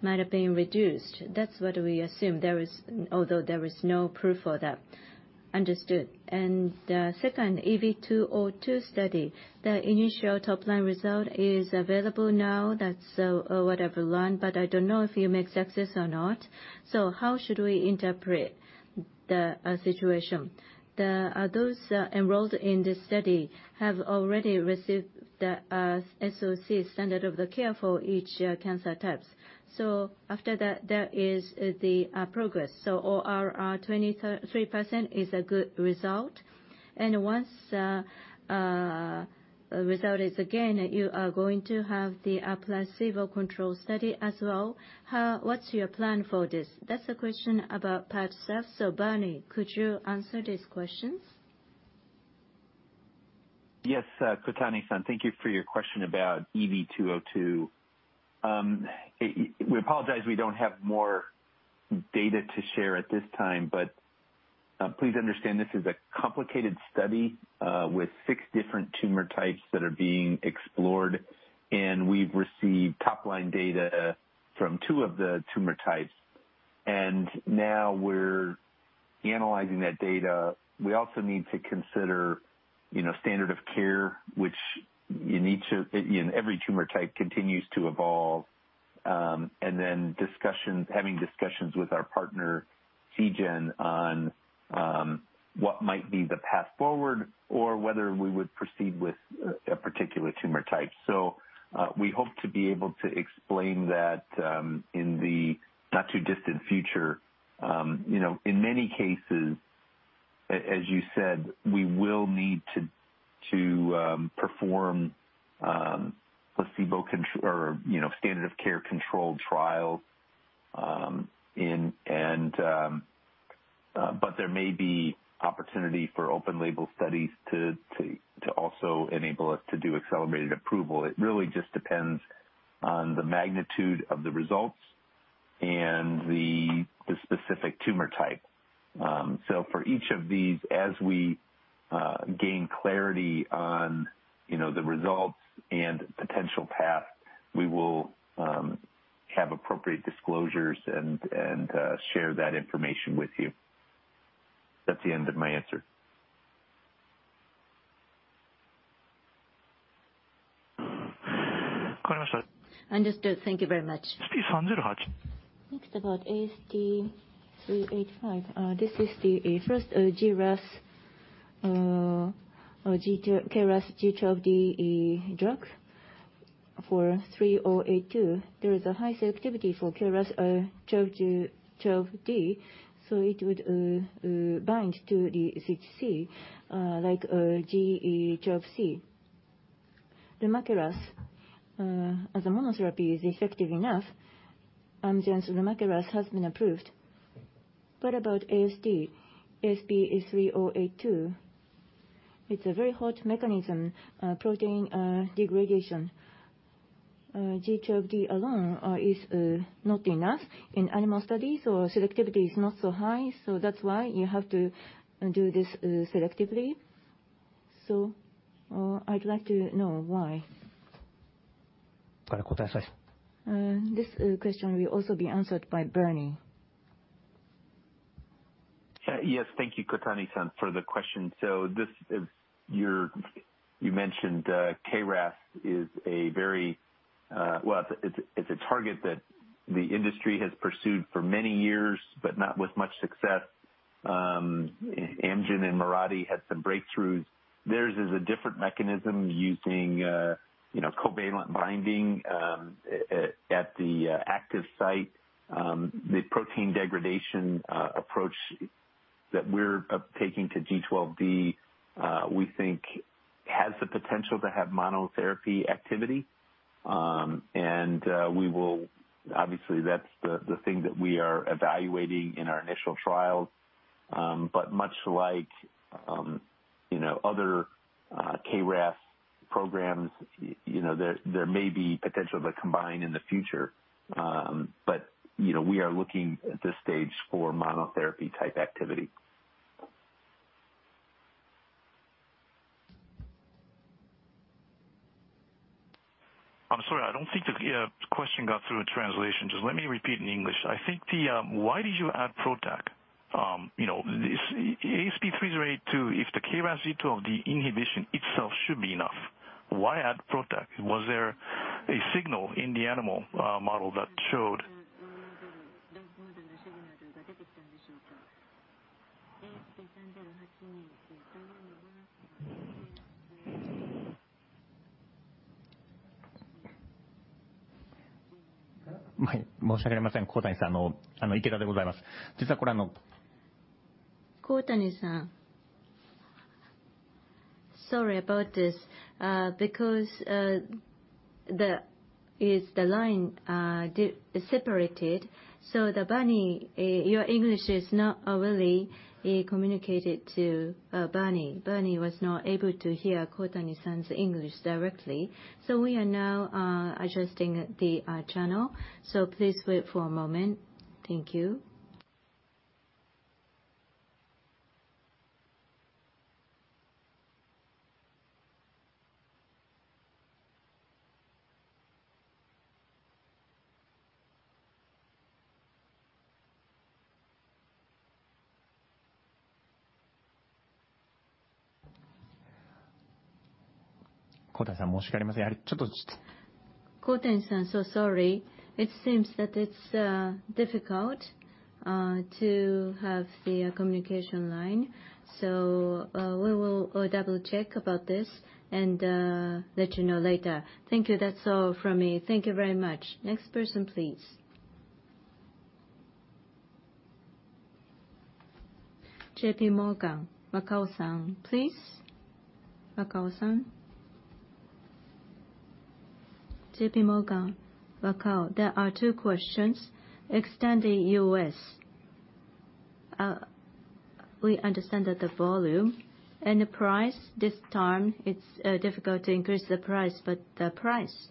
might have been reduced. That's what we assume. Although there is no proof for that. Understood. Second, EV-202 study. The initial top-line result is available now. That's what I've learned, but I don't know if you make success or not. How should we interpret the situation? Those enrolled in this study have already received the SOC standard of care for each cancer types. After that, there is progress. ORR 23% is a good result. Once the result is again, you are going to have the placebo control study as well. What's your plan for this? That's the question about PADCEV. Bernie, could you answer these questions? Yes. Koutani-san, thank you for your question about EV-202. We apologize we don't have more data to share at this time, but please understand this is a complicated study with six different tumor types that are being explored, and we've received top-line data from two of the tumor types. Now we're analyzing that data. We also need to consider, you know, standard of care, which you need to, in every tumor type continues to evolve. We are having discussions with our partner, Seagen, on what might be the path forward or whether we would proceed with a particular tumor type. We hope to be able to explain that in the not too distant future. You know, in many cases, as you said, we will need to perform placebo control or, you know, standard of care controlled trials, but there may be opportunity for open label studies to also enable us to do accelerated approval. It really just depends on the magnitude of the results and the specific tumor type. For each of these, as we gain clarity on, you know, the results and potential path, we will have appropriate disclosures and share that information with you. That's the end of my answer. Understood. Thank you very much. Next, about ASP3082. This is the first KRAS G12D drug for ASP3082. There is a high selectivity for KRAS G12D, so it would bind to the CTC like G12C. Lumakras as a monotherapy is effective enough. Amgen's Lumakras has been approved. What about ASP3082? It's a very hot mechanism, protein degradation. G12D alone is not enough in animal studies, or selectivity is not so high, so that's why you have to do this selectively. I'd like to know why. This question will also be answered by Bernie. Yes. Thank you, Kotani-san, for the question. You mentioned KRAS is a very, well, it's a target that the industry has pursued for many years, but not with much success. Amgen and Mirati had some breakthroughs. Theirs is a different mechanism using, you know, covalent binding at the active site. The protein degradation approach that we're taking to G12D, we think has the potential to have monotherapy activity. Obviously, that's the thing that we are evaluating in our initial trials. Much like, you know, other KRAS programs, you know, there may be potential to combine in the future. You know, we are looking at this stage for monotherapy type activity. I'm sorry. I don't think the question got through in translation. Just let me repeat in English. I think the why did you add ProTAC? You know, this ASP3082, if the KRAS G12D of the inhibition itself should be enough, why add ProTAC? Was there a signal in the animal model that showed- Sorry about this. Because the line is separated, the Bernie, your English is not really communicated to Bernie. Bernie was not able to hear Kotani-san's English directly. We are now adjusting the channel. Please wait for a moment. Thank you. Koutani-san, so sorry. It seems that it's difficult to have the communication line. We will double-check about this and let you know later. Thank you. That's all from me. Thank you very much. Next person, please. J.P. Morgan, Wakao-san, please. Wakao-san? J.P. Morgan, Wakao. There are two questions. Xtandi U.S., we understand that the volume and the price this time, it's difficult to increase the price, but the price.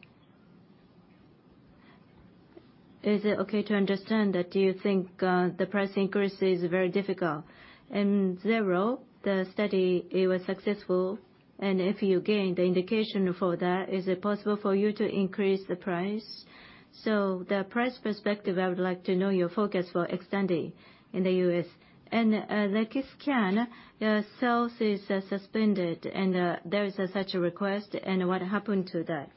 Is it okay to understand that you think the price increase is very difficult? XzerO, the study, it was successful, and if you gain the indication for that, is it possible for you to increase the price? The price perspective, I would like to know your focus for extending in the US. The Lexiscan, your sales is suspended and there is such a request and what happened to that?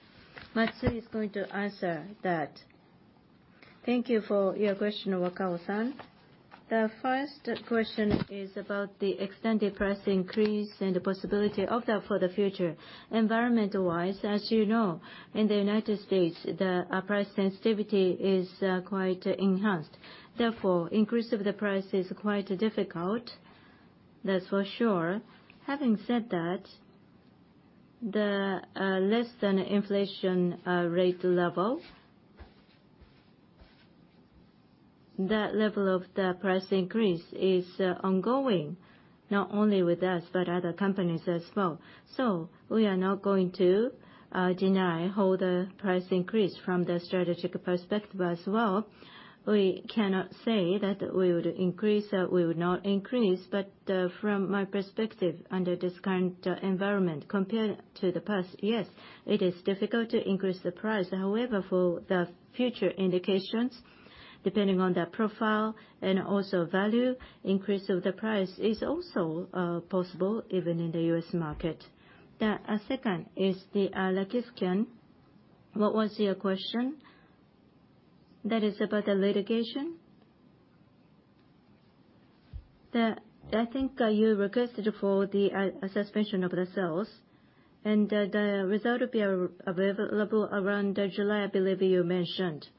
Matsui is going to answer that. Thank you for your question, Wakao-san. The first question is about the extended price increase and the possibility of that for the future. Environment-wise, as you know, in the United States, the price sensitivity is quite enhanced. Therefore, increase of the price is quite difficult. That's for sure. Having said that, the less than inflation rate level, the level of the price increase is ongoing, not only with us, but other companies as well. We are not going to deny wholly the price increase from the strategic perspective as well. We cannot say that we would increase or we would not increase. From my perspective, under this current environment compared to the past, yes, it is difficult to increase the price. However, for the future indications, depending on the profile and also value, increase of the price is also possible even in the US market. The second is the Lexiscan. What was your question? That is about the litigation? I think you requested for the suspension of the sales and the result will be available around July, I believe you mentioned. Yes.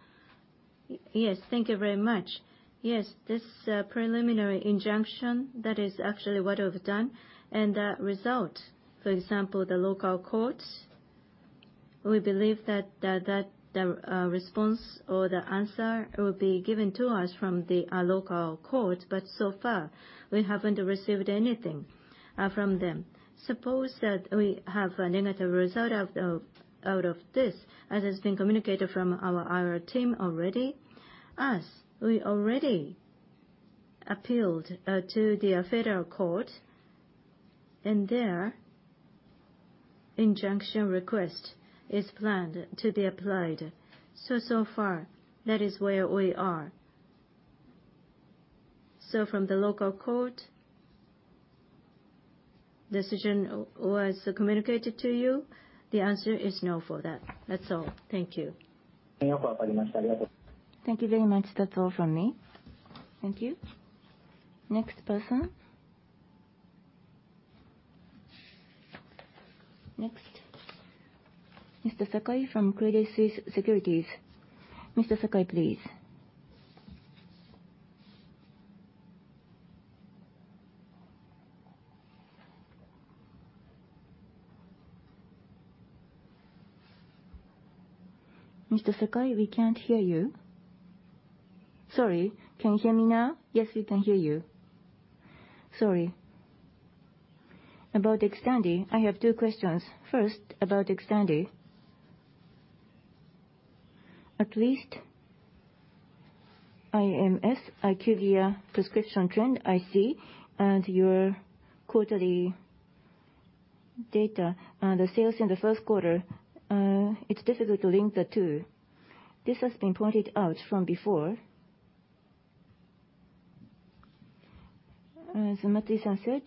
Thank you very much. Yes. This preliminary injunction, that is actually what we've done. The result, for example, the local courts, we believe that the response or the answer will be given to us from the local court. So far, we haven't received anything from them. Suppose that we have a negative result out of this, as has been communicated from our team already. We already appealed to the federal court, and their injunction request is planned to be applied. So far, that is where we are. From the local court, decision was communicated to you? The answer is no for that. That's all. Thank you. Thank you very much. That's all from me. Thank you. Next person? Next. Mr. Sakai from Credit Suisse Securities. Mr. Sakai, please. Mr. Sakai, we can't hear you. Sorry. Can you hear me now? Yes, we can hear you. Sorry. About Xtandi, I have two questions. First, about Xtandi. At least IMS, IQVIA prescription trend I see, and your quarterly data. The sales in the first quarter, it's difficult to link the two. This has been pointed out from before. As Matsui-san said,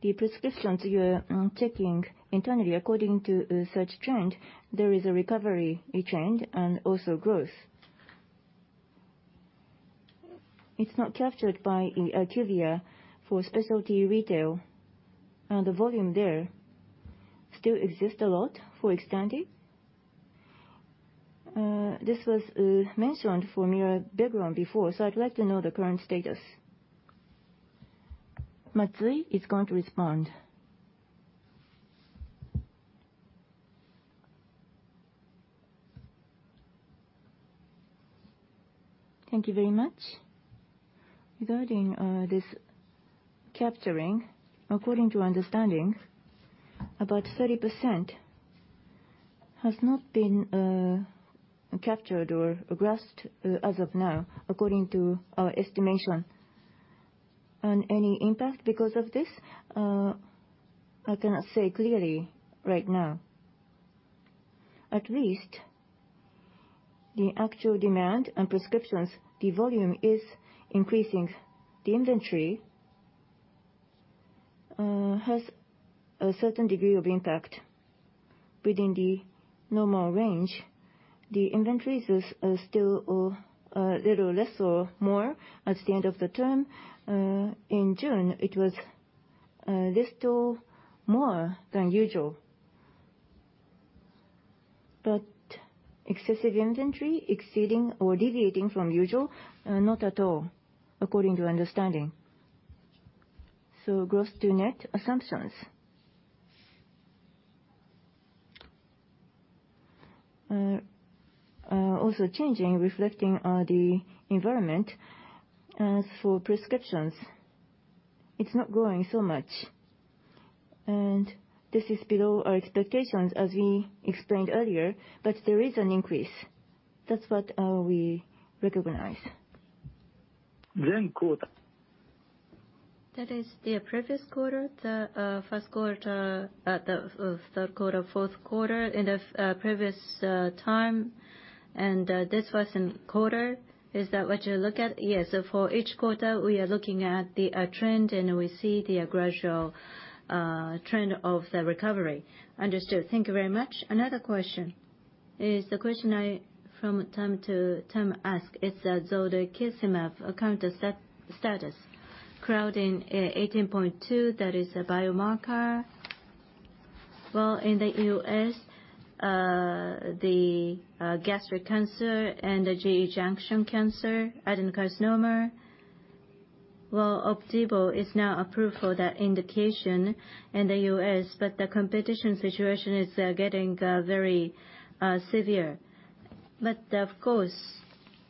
the prescriptions you are checking internally according to such trend, there is a recovery, a trend, and also growth. It's not captured by IQVIA for specialty retail, and the volume there still exists a lot for Xtandi. This was mentioned from your background before, so I'd like to know the current status. Matsui is going to respond. Thank you very much. Regarding this capturing, according to understanding, about 30% has not been captured or addressed as of now, according to our estimation. Any impact because of this, I cannot say clearly right now. At least the actual demand and prescriptions, the volume is increasing. The inventory has a certain degree of impact within the normal range. The inventory is still a little less or more at the end of the term. In June, it was little more than usual. Excessive inventory exceeding or deviating from usual not at all, according to understanding. Gross to net assumptions also changing, reflecting the environment. As for prescriptions, it's not growing so much, and this is below our expectations as we explained earlier, but there is an increase. That's what we recognize. Then quarter. That is the previous quarter, the first quarter, the third quarter, fourth quarter in the previous time and this quarter. Is that what you look at? Yes. For each quarter, we are looking at the trend, and we see the gradual trend of the recovery. Understood. Thank you very much. Another question. The question I from time to time ask is the zolbetuximab current status. Claudin 18.2, that is a biomarker. While in the U.S., the gastric cancer and the GE junction cancer adenocarcinoma. While Opdivo is now approved for that indication in the U.S., but the competition situation is getting very severe. But of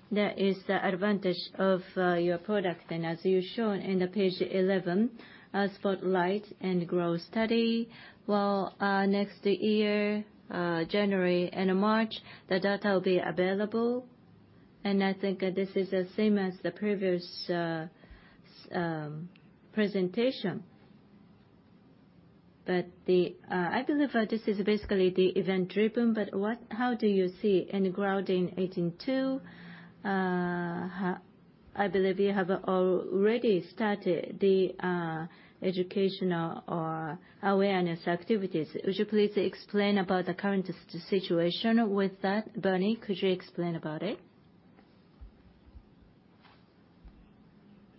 course, there is the advantage of your product then as you shown in the page 11, SPOTLIGHT and GLOW study. While next year, January and March, the data will be available. I think this is the same as the previous presentation. I believe this is basically the event-driven, but what, how do you see in Claudin 18.2. I believe you have already started the educational or awareness activities. Would you please explain about the current situation with that? Bernie, could you explain about it?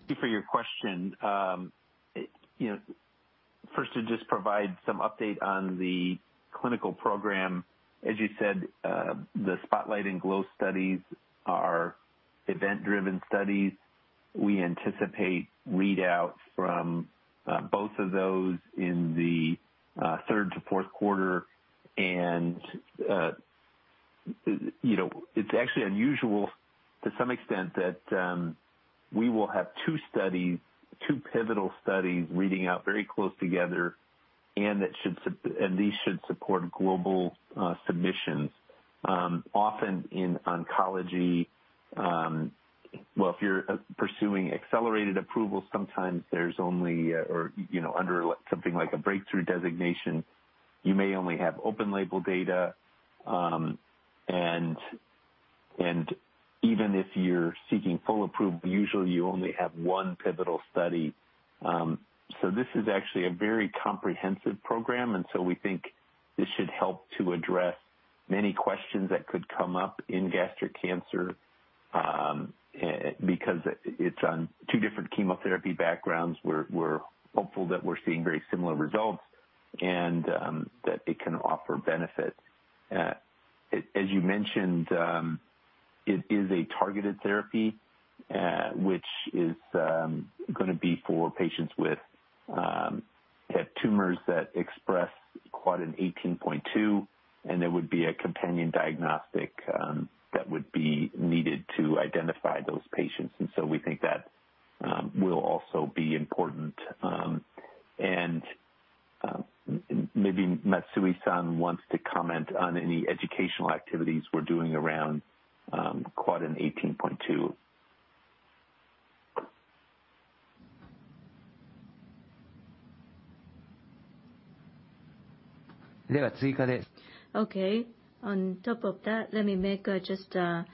Thank you for your question. You know, first to just provide some update on the clinical program. As you said, the SPOTLIGHT and GLOW studies are event-driven studies. We anticipate readouts from both of those in the third to fourth quarter. You know, it's actually unusual to some extent that we will have two studies, two pivotal studies reading out very close together, and that should and these should support global submissions. Often in oncology, well, if you're pursuing accelerated approval, sometimes there's only or you know under something like a breakthrough designation, you may only have open label data. Even if you're seeking full approval, usually you only have one pivotal study. This is actually a very comprehensive program, and we think this should help to address many questions that could come up in gastric cancer, because it's on two different chemotherapy backgrounds. We're hopeful that we're seeing very similar results and that it can offer benefit. As you mentioned, it is a targeted therapy, which is gonna be for patients with tumors that express Claudin 18.2, and there would be a companion diagnostic that would be needed to identify those patients. We think that will also be important. Maybe Matsui-san wants to comment on any educational activities we're doing around Claudin 18.2. Okay. On top of that, let me make just a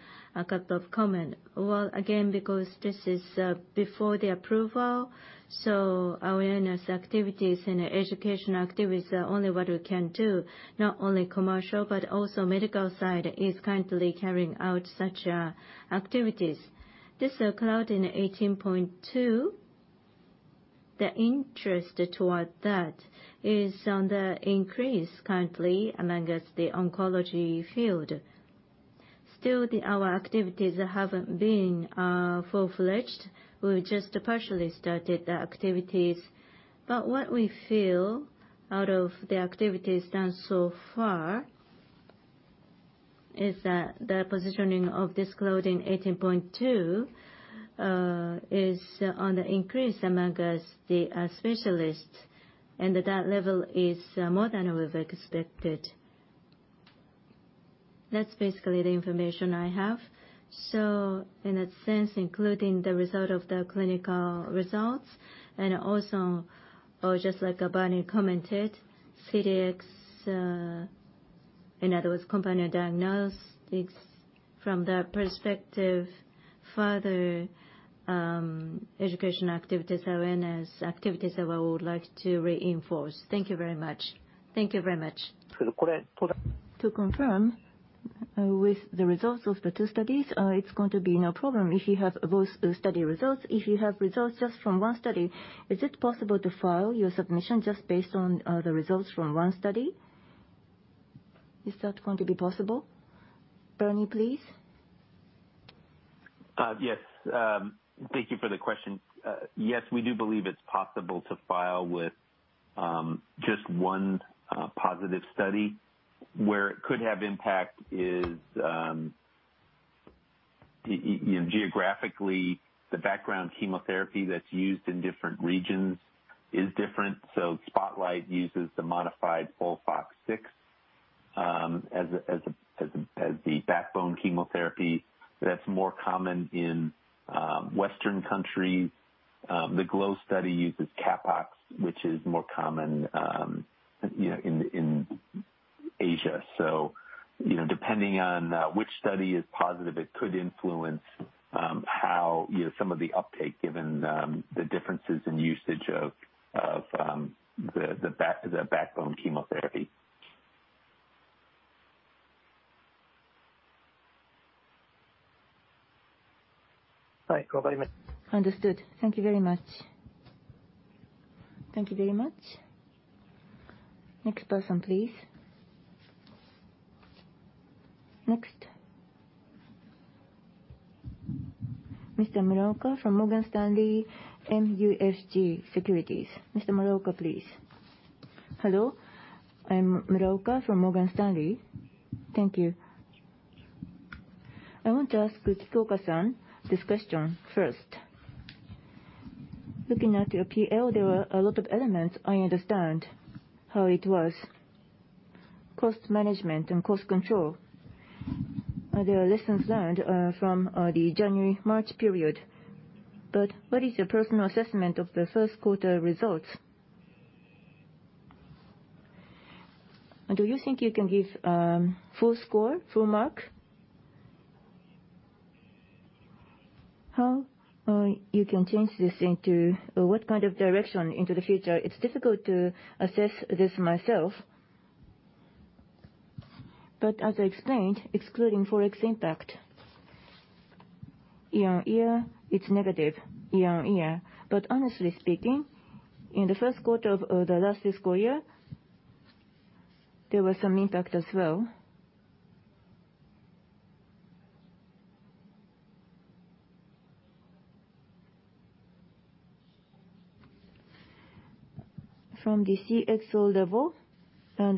couple of comments. Well, again, because this is before the approval, awareness activities and educational activities are only what we can do. Not only commercial, but also medical side is currently carrying out such activities. This Claudin 18.2, the interest toward that is on the increase currently amongst the oncology field. Still, our activities haven't been full-fledged. We just partially started the activities. What we feel out of the activities done so far is that the positioning of this Claudin 18.2 is on the increase amongst the specialists and that level is more than we've expected. That's basically the information I have. In that sense, including the result of the clinical results and also, just like Bernie commented, CDx, in other words, companion diagnostics, from that perspective, further, education activities, awareness activities that we would like to reinforce. Thank you very much. To confirm, with the results of the two studies, it's going to be no problem if you have both study results. If you have results just from one study, is it possible to file your submission just based on the results from one study? Is that going to be possible? Bernie, please. Yes. Thank you for the question. Yes, we do believe it's possible to file with just one positive study. Where it could have impact is, you know, geographically, the background chemotherapy that's used in different regions is different. SPOTLIGHT uses the modefied FOLFOX6 as the backbone chemotherapy. That's more common in Western countries. The GLOW study uses CAPOX, which is more common, you know, in Asia. You know, depending on which study is positive, it could influence how, you know, some of the uptake given the differences in usage of the backbone chemotherapy. Understood. Thank you very much. Next person, please. Mr. Muraoka from Morgan Stanley MUFG Securities, please. Hello, I'm Muraoka from Morgan Stanley. Thank you. I want to ask Kikuoka-san this question first. Looking at your PL, there were a lot of elements I understand how it was. Cost management and cost control, are there lessons learned from the January-March period? What is your personal assessment of the first quarter results? Do you think you can give full score, full mark? How you can change this into, or what kind of direction into the future? It's difficult to assess this myself. As I explained, excluding Forex impact year-on-year, it's negative year-on-year. Honestly speaking, in the first quarter of the last fiscal year, there was some impact as well. From the CXO level,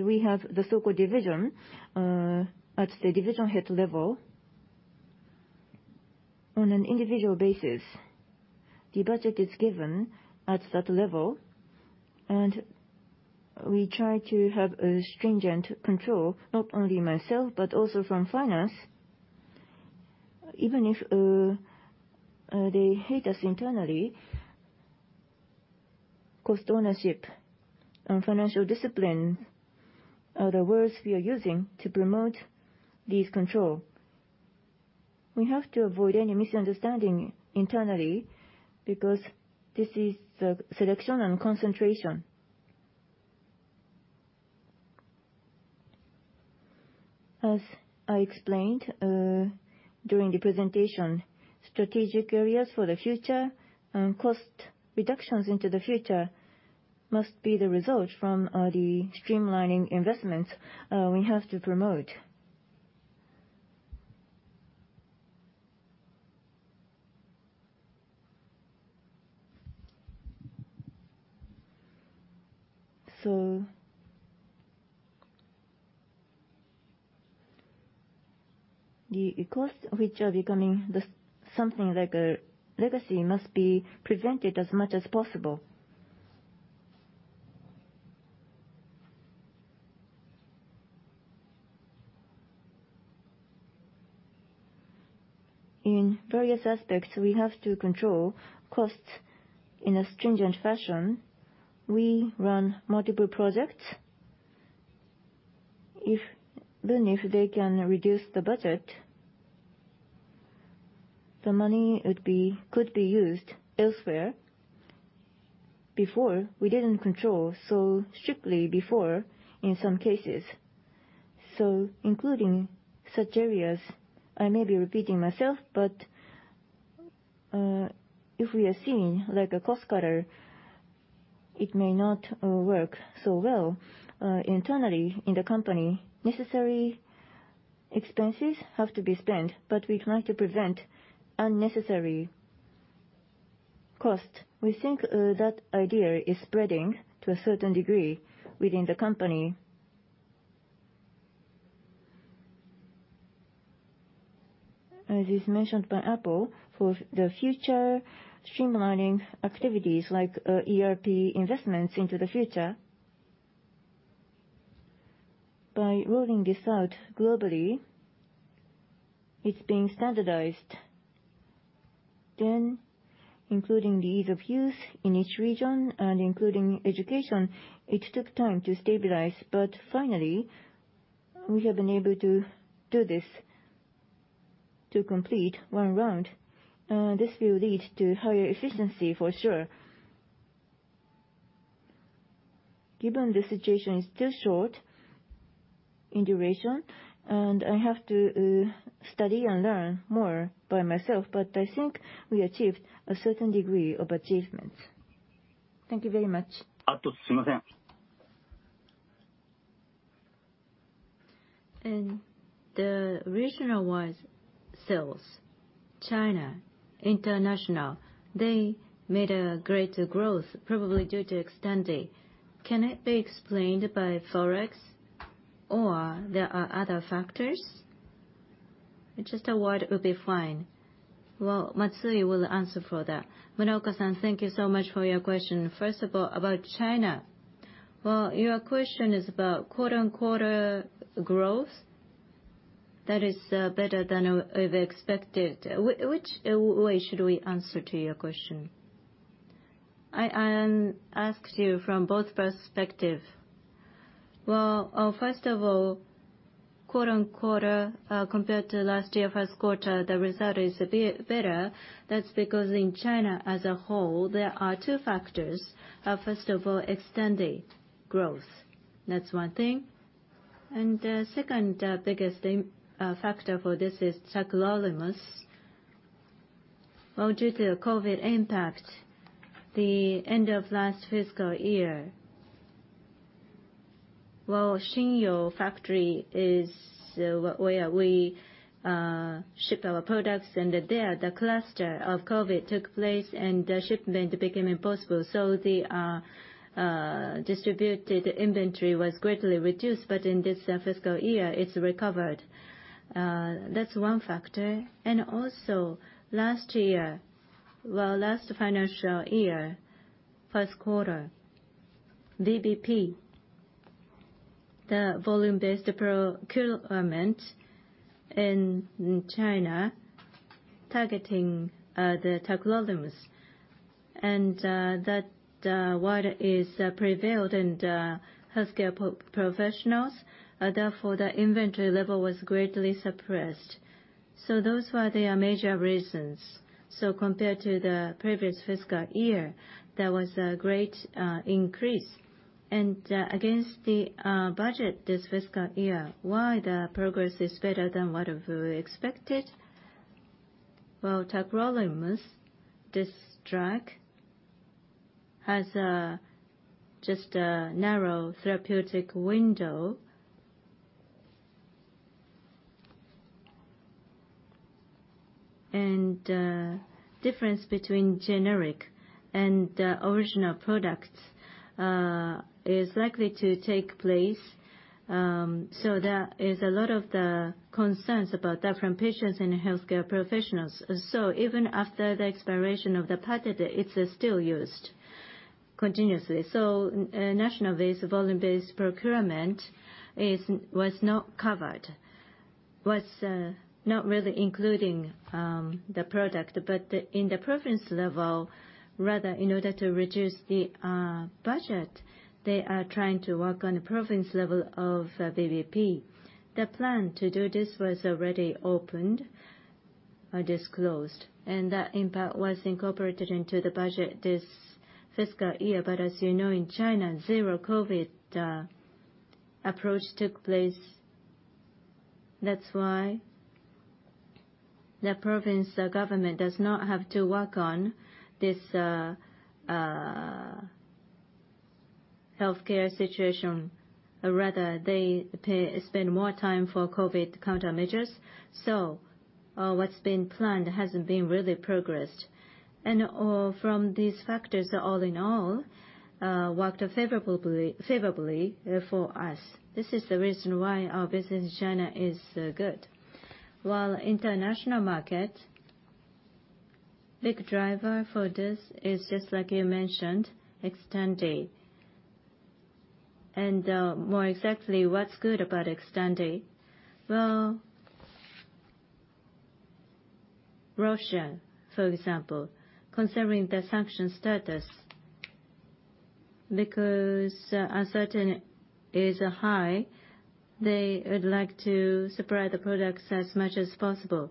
we have the so-called division at the division head level. On an individual basis, the budget is given at that level, and we try to have a stringent control, not only myself, but also from finance. Even if they hate us internally, cost ownership and financial discipline are the words we are using to promote this control. We have to avoid any misunderstanding internally because this is the selection and concentration. As I explained during the presentation, strategic areas for the future and cost reductions into the future must be the result from the streamlining investments we have to promote. The costs which are becoming something like a legacy must be prevented as much as possible. In various aspects, we have to control costs in a stringent fashion. We run multiple projects. Even if they can reduce the budget, the money would be, could be used elsewhere. Before, we didn't control so strictly in some cases. Including such areas, I may be repeating myself, but if we are seen like a cost cutter, it may not work so well. Internally in the company, necessary expenses have to be spent, but we try to prevent unnecessary costs. We think that idea is spreading to a certain degree within the company. As is mentioned by Apple, for the future streamlining activities like ERP investments into the future, by rolling this out globally, it's being standardized. Including the ease of use in each region and including education, it took time to stabilize. Finally, we have been able to do this to complete one round. This will lead to higher efficiency for sure. Given the situation is still short in duration, and I have to study and learn more by myself, but I think we achieved a certain degree of achievements. Thank you very much. The regional-wise sales, China, International, they made a greater growth probably due to Xtandi. Can it be explained by Forex or there are other factors? Just a word will be fine. Well, Matsui will answer for that. Muraoka-san, thank you so much for your question. First of all, about China. Well, your question is about quarter on quarter growth that is better than expected. Which way should we answer to your question? I asked you from both perspective. Well, first of all, quarter on quarter compared to last year first quarter, the result is a bit better. That's because in China as a whole, there are two factors. First of all, Xtandi growth. That's one thing. And the second biggest thing factor for this is tacrolimus. Well, due to the COVID impact, the end of last fiscal year, Shenyang factory is where we ship our products. And there, the cluster of COVID took place and the shipment became impossible. The distributed inventory was greatly reduced. In this fiscal year, it's recovered. That's one factor. Also last year, well, last financial year, first quarter, VBP, the volume-based procurement in China targeting the tacrolimus. That what prevailed in the healthcare professionals, therefore the inventory level was greatly suppressed. Those were the major reasons. Compared to the previous fiscal year, there was a great increase. Against the budget this fiscal year, why the progress is better than what we expected? Well, tacrolimus, this drug has just a narrow therapeutic window. Difference between generic and the original products is likely to take place. There is a lot of the concerns about different patients and healthcare professionals. Even after the expiration of the patent, it's still used continuously. National-based volume-based procurement was not covered, not really including the product. In the provincial level, rather, in order to reduce the budget, they are trying to work on the provincial level of VBP. The plan to do this was already opened or disclosed, and that impact was incorporated into the budget this fiscal year. As you know, in China, zero-COVID approach took place. That's why the provincial government does not have to work on this healthcare situation. Rather they spend more time for COVID countermeasures. What's been planned hasn't been really progressed. From these factors, all in all, worked favorably for us. This is the reason why our business in China is good. While international market, big driver for this is just like you mentioned, Xtandi. More exactly what's good about Xtandi, well, Russia, for example, considering the sanction status. Because uncertainty is high, they would like to supply the products as much as possible.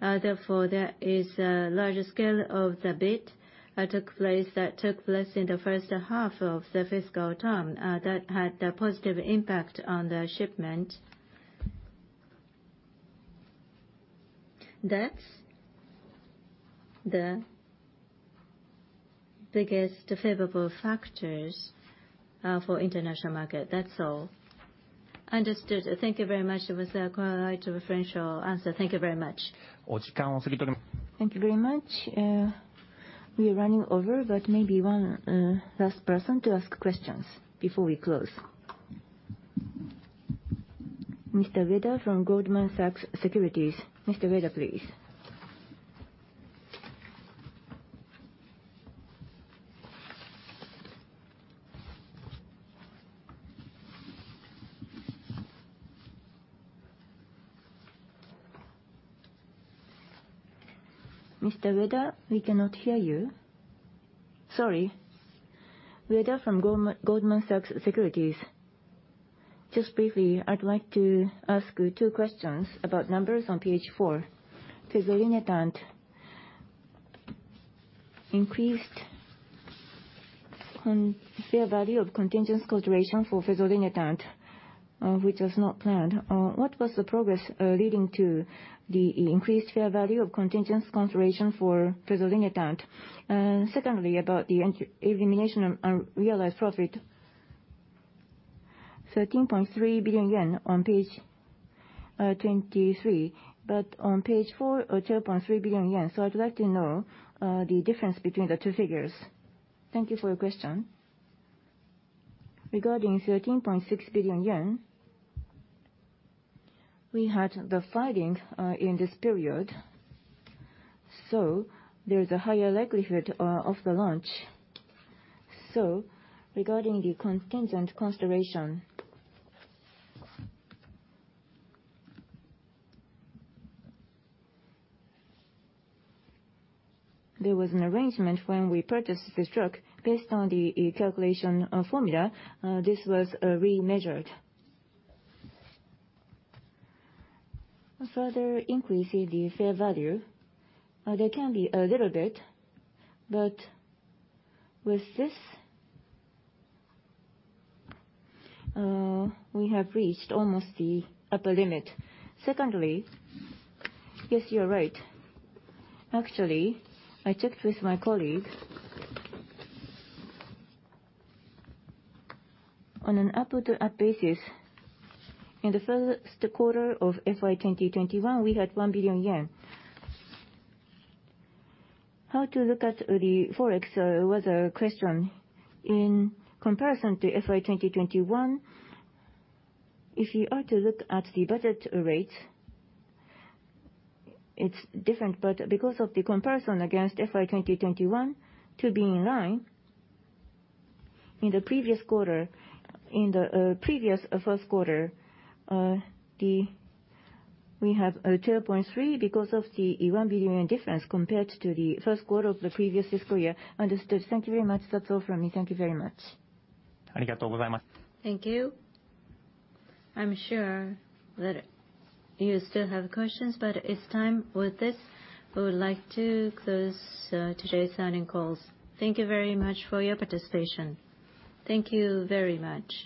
Therefore, there is a larger scale of the bid that took place in the first half of the fiscal term that had a positive impact on the shipment. That's the biggest favorable factors for international market. That's all. Understood. Thank you very much. It was quite a differential answer. Thank you very much. Thank you very much. We are running over, but maybe one last person to ask questions before we close. Mr. Ueda from Goldman Sachs Securities. Mr. Ueda, please. Mr. Ueda, we cannot hear you. Sorry. Ueda from Goldman Sachs Securities. Just briefly, I'd like to ask two questions about numbers on page four. Fezolinetant increased fair value of contingent consideration for fezolinetant, which was not planned. What was the progress leading to the increased fair value of contingent consideration for fezolinetant? And secondly, about the elimination of unrealized profit, 13.3 billion yen on page 23, but on page four, 12.3 billion yen. So I'd like to know the difference between the two figures. Thank you for your question. Regarding 13.6 billion yen, we had the filing in this period, so there's a higher likelihood of the launch. Regarding the contingent consideration, there was an arrangement when we purchased this drug based on the calculation formula. This was remeasured. A further increase in the fair value, there can be a little bit, but with this, we have reached almost the upper limit. Secondly, yes, you're right. Actually, I checked with my colleague. On an apples-to-apples basis, in the first quarter of FY 2021, we had 1 billion yen. How to look at the Forex was a question. In comparison to FY 2021, if you are to look at the budget rate, it's different. Because of the comparison against FY 2021 to be in line, in the previous quarter, in the previous first quarter, we have 12.3 billion because of the 1 billion difference compared to the first quarter of the previous fiscal year. Understood. Thank you very much. That's all from me. Thank you very much. Thank you. I'm sure that you still have questions, but it's time. With this, we would like to close today's earnings call. Thank you very much for your participation. Thank you very much.